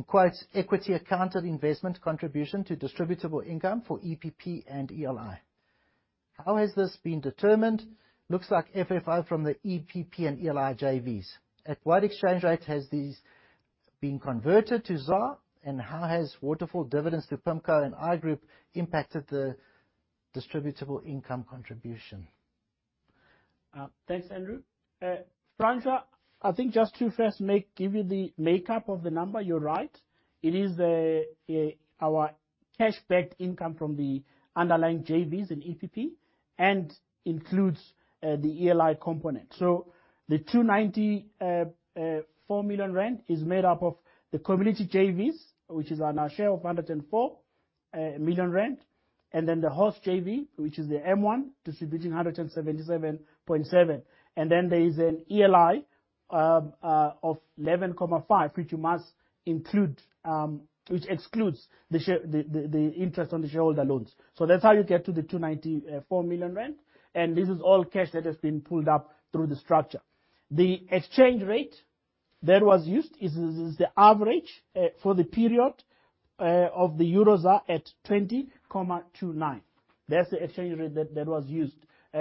quotes, equity accounted investment contribution to distributable income for EPP and ELI. How has this been determined? Looks like FFO from the EPP and ELI JVs. At what exchange rate has these been converted to ZAR? And how has waterfall dividends to PIMCO and I Group impacted the distributable income contribution? Thanks, Andrew. Francois, I think just to give you the makeup of the number, you're right. It is our cash-backed income from the underlying JVs in EPP and includes the ELI component. The 294 million rand is made up of the community JVs, which is our share of 104 million rand, and then the host JV, which is the M1, distributing 177.7 million. Then there is an ELI of 11.5 million, which you must include, which excludes the interest on the shareholder loans. That's how you get to the 294 million rand, and this is all cash that has been pulled up through the structure. The exchange rate that was used is the average for the period of the EUR/ZAR at 20.29. That's the exchange rate that was used.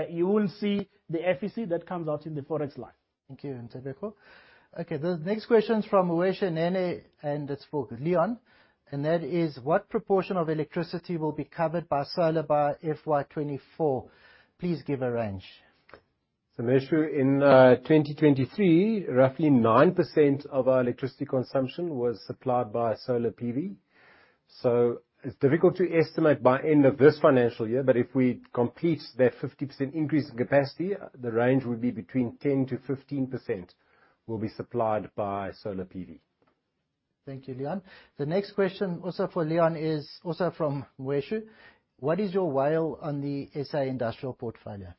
You will see the FEC that comes out in the forex line. Thank you, Ntobeko. Okay, the next question is from Moitshu Nene, and it's for Leon, and that is: What proportion of electricity will be covered by solar by FY 2024? Please give a range. Moitshu, in 2023, roughly 9% of our electricity consumption was supplied by solar PV. It's difficult to estimate by end of this financial year, but if we complete that 50% increase in capacity, the range would be between 10%-15% will be supplied by solar PV. Thank you, Leon. The next question also for Leon is also from Moitshu: What is your WALE on the SA industrial portfolio?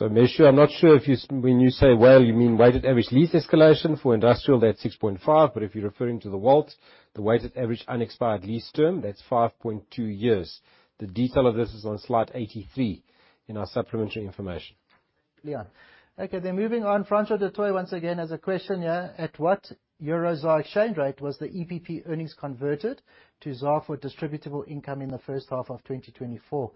Moitshu, I'm not sure if you, when you say WALE, you mean weighted average lease escalation. For industrial, that's 6.5 years. But if you're referring to the WAULT, the weighted average unexpired lease term, that's 5.2 years. The detail of this is on slide 83 in our supplementary information. Okay, moving on. Francois du Toit once again has a question here: At what EUR/ZAR exchange rate was the EPP earnings converted to ZAR for distributable income in the first half of 2024?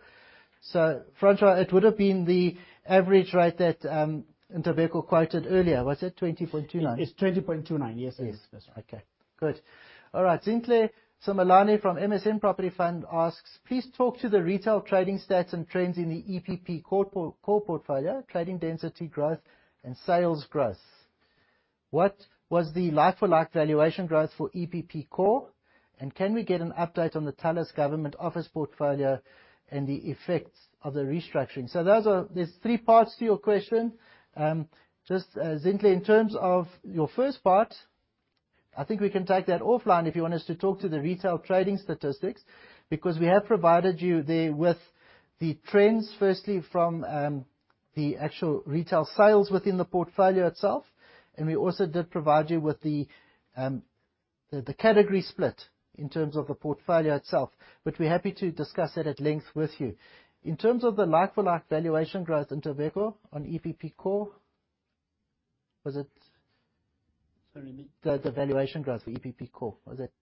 So, Francois, it would've been the average rate that, Ntobeko quoted earlier. Was it 20.29? It's 20.29. Yes, yes. That's right. Okay, good. All right. Zinhle Simelane from MSM Property Fund asks: Please talk to the retail trading stats and trends in the EPP core portfolio, trading density growth and sales growth. What was the like-for-like valuation growth for EPP core, and can we get an update on the Talis government office portfolio and the effects of the restructuring? Those are three parts to your question. Just, Zinhle, in terms of your first part, I think we can take that offline if you want us to talk to the retail trading statistics, because we have provided you there with the trends, firstly from the actual retail sales within the portfolio itself, and we also did provide you with the category split in terms of the portfolio itself. But we're happy to discuss that at length with you. In terms of the like-for-like valuation growth, Ntobeko, on EPP core? Was it- Sorry, me? The valuation growth for EPP Core, was it?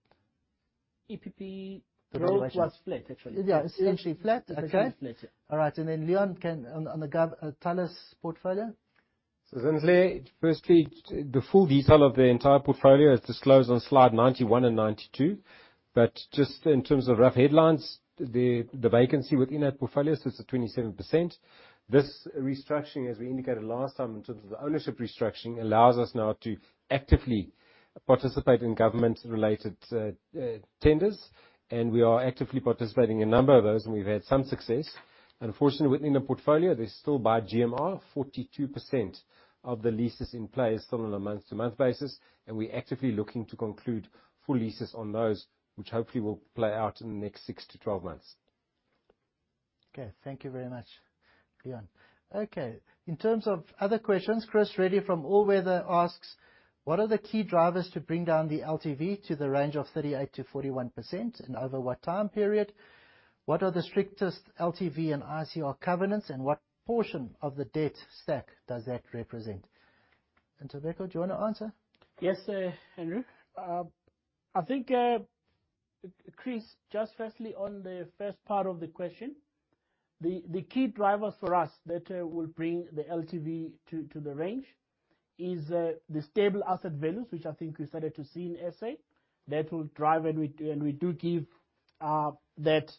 EPP- The valuation. Growth was flat, actually. Yeah, essentially flat. Essentially flat, yeah. Okay. All right, Leon, on the government leases portfolio? Essentially, firstly, the full detail of the entire portfolio is disclosed on slide 91 and 92. Just in terms of rough headlines, the vacancy within that portfolio sits at 27%. This restructuring, as we indicated last time, in terms of the ownership restructuring, allows us now to actively participate in government-related tenders. We are actively participating in a number of those, and we've had some success. Unfortunately, within the portfolio, there's still, by GMR, 42% of the leases in place still on a month to month basis. We're actively looking to conclude full leases on those, which hopefully will play out in the next 6 months-12 months. Okay, thank you very much, Leon. Okay, in terms of other questions, Chris Reddy from All Weather Capital asks, "What are the key drivers to bring down the LTV to the range of 38%-41%, and over what time period? What are the strictest LTV and ICR covenants, and what portion of the debt stack does that represent?" Ntobeko, do you wanna answer? Yes, Andrew. I think, Chris, just firstly on the first part of the question, the key drivers for us that will bring the LTV to the range is the stable asset values, which I think we started to see in SA. That will drive and we do give that,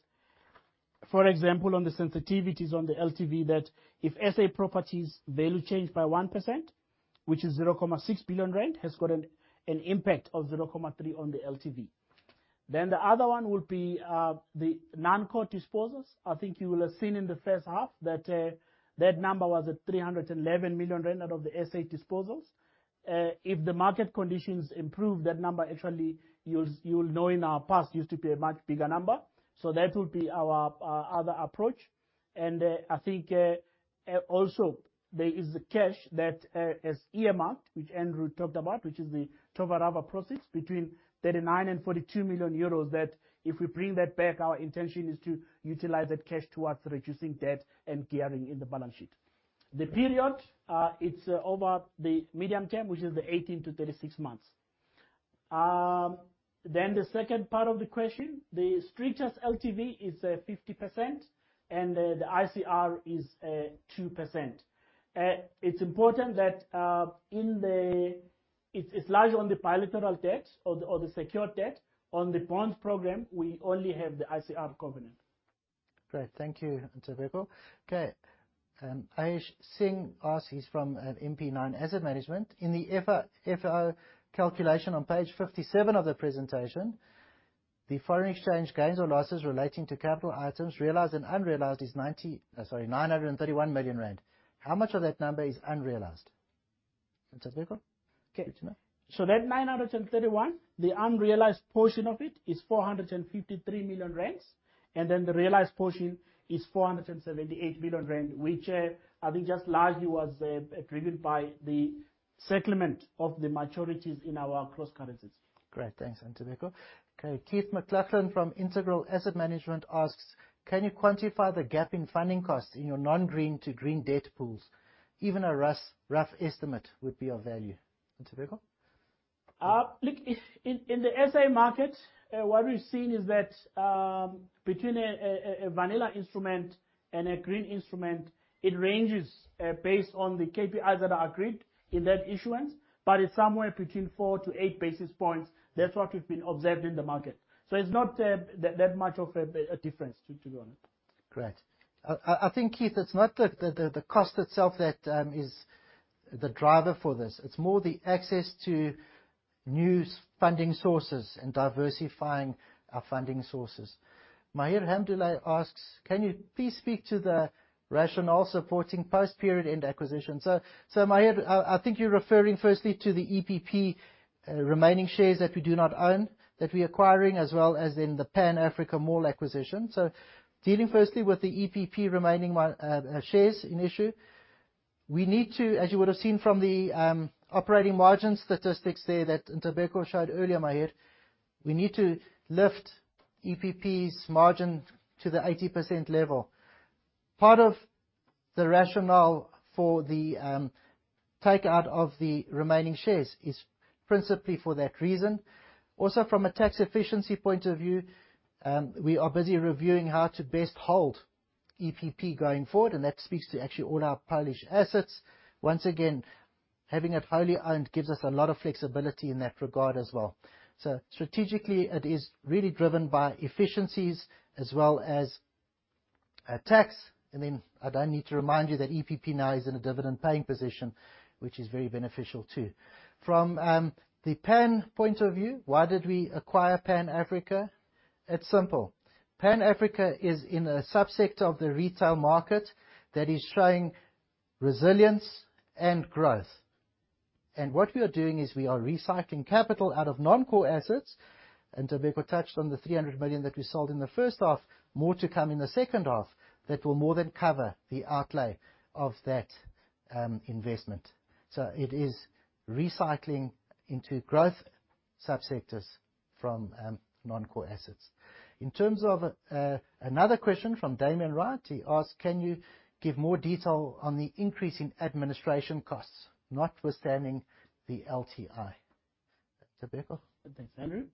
for example, on the sensitivities on the LTV, that if SA properties value change by 1%, which is 0.6 billion rand, has got an impact of 0.3 billion on the LTV. Then the other one would be the non-core disposals. I think you will have seen in the first half that that number was at 311 million rand out of the SA disposals. If the market conditions improve, that number actually, you'll know in our past, used to be a much bigger number. So that would be our other approach. I think also there is cash that is earmarked, which Andrew talked about, which is the Towarowa process between 39 million and 42 million euros, that if we bring that back, our intention is to utilize that cash towards reducing debt and gearing in the balance sheet. The period, it's over the medium term, which is the 18 months-36 months. The second part of the question, the strictest LTV is 50%, and the ICR is 2%. It's important that it's lax on the bilateral debt or the secured debt. On the bonds program, we only have the ICR covenant. Great. Thank you, Ntobeko. Okay, Aheesh Singh asks from MP9 Asset Management, "In the FFO calculation on page 57 of the presentation, the foreign exchange gains or losses relating to capital items realized and unrealized is 931 million rand. How much of that number is unrealized?" Ntobeko? Okay. Good to know. That 931 million, the unrealized portion of it is 453 million rand, and then the realized portion is 478 million rand, which I think just largely was driven by the settlement of the maturities in our cross currencies. Great. Thanks, Ntobeko. Okay, Keith McLachlan from Integral Asset Management asks, "Can you quantify the gap in funding costs in your non-green to green debt pools? Even a rough estimate would be of value." Ntobeko? Look, in the SA market, what we've seen is that between a vanilla instrument and a green instrument, it ranges based on the KPIs that are agreed in that issuance, but it's somewhere between 4-8 basis points. That's what we've been observing in the market. It's not that much of a difference, to be honest. Great. I think, Keith, it's not the cost itself that is the driver for this. It's more the access to new funding sources and diversifying our funding sources. Maher Hamdullah asks, "Can you please speak to the rationale supporting post-period end acquisition?" Maher, I think you're referring firstly to the EPP remaining shares that we do not own, that we're acquiring, as well as in the Pan Africa Mall acquisition. Dealing firstly with the EPP remaining shares in issue, we need to, as you would have seen from the operating margin statistics there that Ntobeko showed earlier, Maher, we need to lift EPP's margin to the 80% level. Part of the rationale for the takeout of the remaining shares is principally for that reason. From a tax efficiency point of view, we are busy reviewing how to best hold EPP going forward, and that speaks to actually all our Polish assets. Once again, having it wholly owned gives us a lot of flexibility in that regard as well. Strategically, it is really driven by efficiencies as well as, tax. I don't need to remind you that EPP now is in a dividend paying position, which is very beneficial, too. From the Pan point of view, why did we acquire Pan Africa? It's simple. Pan Africa is in a sub-sector of the retail market that is showing resilience and growth. What we are doing is we are recycling capital out of non-core assets. Ntobeko touched on the 300 million that we sold in the first half, more to come in the second half, that will more than cover the outlay of that, investment. It is recycling into growth subsectors from non-core assets. In terms of another question from Damian Wright, he asked, "Can you give more detail on the increase in administration costs, notwithstanding the LTI?" Ntobeko? Thanks, Andrew.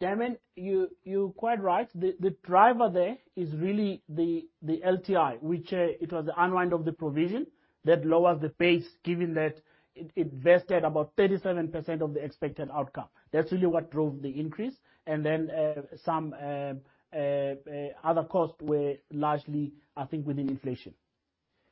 Damian, you're quite right. The driver there is really the LTI, which it was the unwind of the provision that lowers the pace given that it vested about 37% of the expected outcome. That's really what drove the increase. Then, some other costs were largely, I think, within inflation.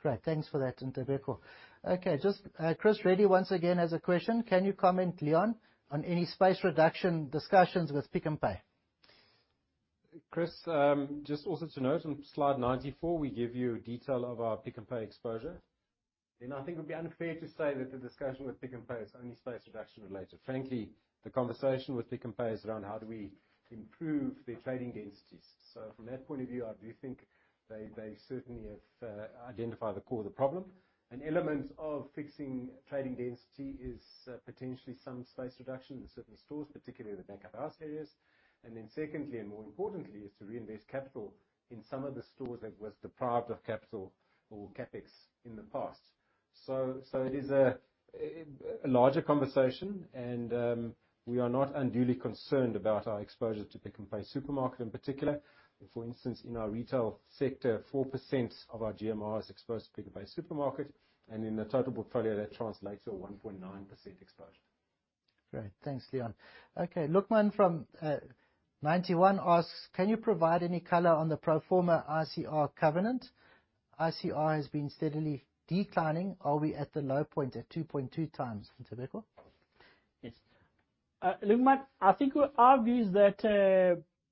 Great. Thanks for that, Ntobeko. Okay, just Chris Reddy once again has a question: Can you comment, Leon, on any space reduction discussions with Pick n Pay? Chris, just also to note on slide 94, we give you detail of our Pick n Pay exposure. I think it would be unfair to say that the discussion with Pick n Pay is only space reduction related. Frankly, the conversation with Pick n Pay is around how do we improve their trading densities. From that point of view, I do think they certainly have identified the core of the problem. An element of fixing trading density is potentially some space reduction in certain stores, particularly the back of house areas. Then secondly, and more importantly, is to reinvest capital in some of the stores that was deprived of capital or CapEx in the past. It is a larger conversation, and we are not unduly concerned about our exposure to Pick n Pay Supermarket in particular. For instance, in our retail sector, 4% of our GLA is exposed to Pick n Pay Supermarket, and in the total portfolio, that translates to 1.9% exposure. Great. Thanks, Leon. Okay, Luqman from Ninety One asks, "Can you provide any color on the pro forma ICR covenant? ICR has been steadily declining. Are we at the low point at 2.2x, Ntobeko? Yes. Luqman, I think our view is that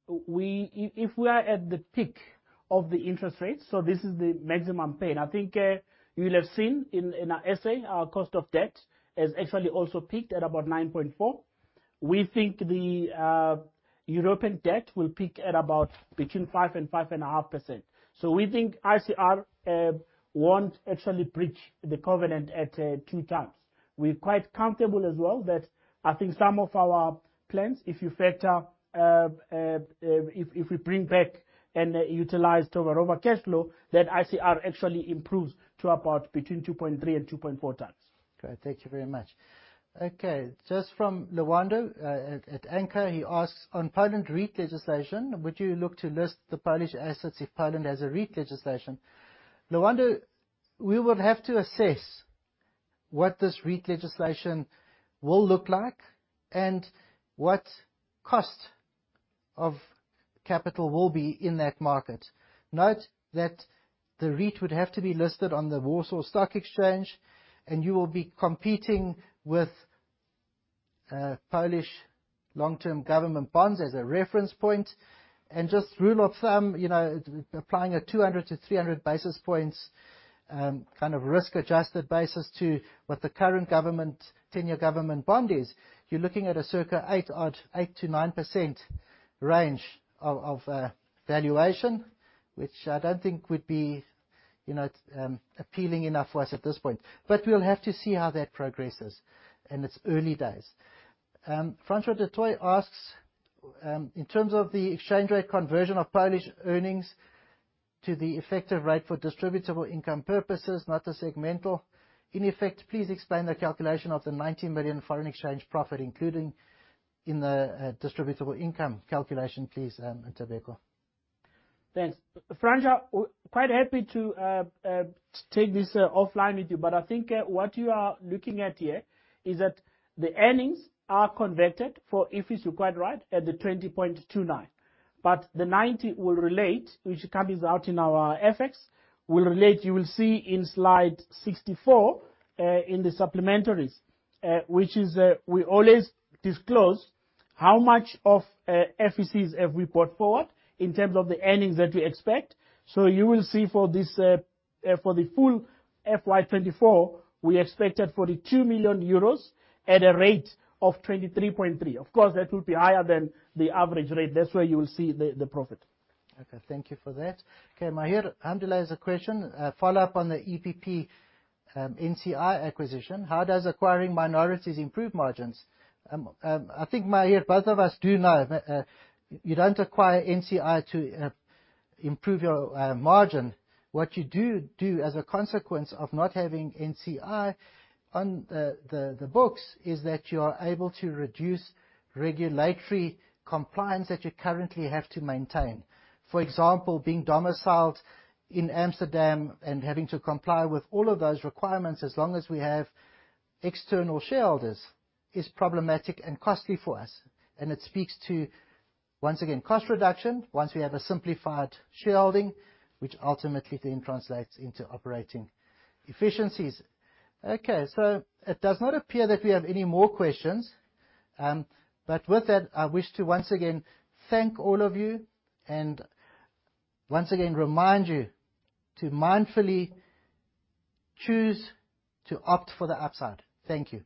if we are at the peak of the interest rates, this is the maximum pain. I think you'll have seen in our essay, our cost of debt has actually also peaked at about 9.4%. We think the European debt will peak at about 5%-5.5%. We think ICR won't actually breach the covenant at 2x. We're quite comfortable as well that I think some of our plans, if you factor if we bring back and utilize Towarowa cashflow, that ICR actually improves to about 2.3x-2.4x. Great. Thank you very much. Okay, just from Lwando at Anchor, he asks, "On Poland REIT legislation, would you look to list the Polish assets if Poland has a REIT legislation?" Lwando, we would have to assess what this REIT legislation will look like and what cost of capital will be in that market. Note that the REIT would have to be listed on the Warsaw Stock Exchange, and you will be competing with Polish long-term government bonds as a reference point. Just rule of thumb, you know, applying a 200-300 basis points kind of risk-adjusted basis to what the current government 10-year government bond is, you're looking at a circa 8%-9% range of valuation, which I don't think would be, you know, appealing enough for us at this point. We'll have to see how that progresses in its early days. Francois du Toit asks, in terms of the exchange rate conversion of Polish earnings to the effective rate for distributable income purposes, not the segmental. In effect, please explain the calculation of the 19 million foreign exchange profit, including in the distributable income calculation, please, Ntobeko. Thanks. Francois, quite happy to take this offline with you, but I think what you are looking at here is that the earnings are converted for, if it's required right, at the 20.29. The 90 will relate, which comes out in our FX. You will see in slide 64 in the supplementaries, which is we always disclose how much of FECs have we brought forward in terms of the earnings that we expect. You will see for this for the full FY 2024, we expected 42 million euros at a rate of 23.3. Of course, that will be higher than the average rate. That's where you will see the profit. Okay, thank you for that. Okay, Maher Hamdullah has a question, a follow-up on the EPP NCI acquisition. How does acquiring minorities improve margins? I think, Maher, both of us do know that you don't acquire NCI to improve your margin. What you do as a consequence of not having NCI on the books is that you are able to reduce regulatory compliance that you currently have to maintain. For example, being domiciled in Amsterdam and having to comply with all of those requirements as long as we have external shareholders is problematic and costly for us, and it speaks to, once again, cost reduction once we have a simplified shareholding, which ultimately then translates into operating efficiencies. Okay, so it does not appear that we have any more questions. With that, I wish to once again thank all of you and once again remind you to mindfully choose to opt for the upside. Thank you.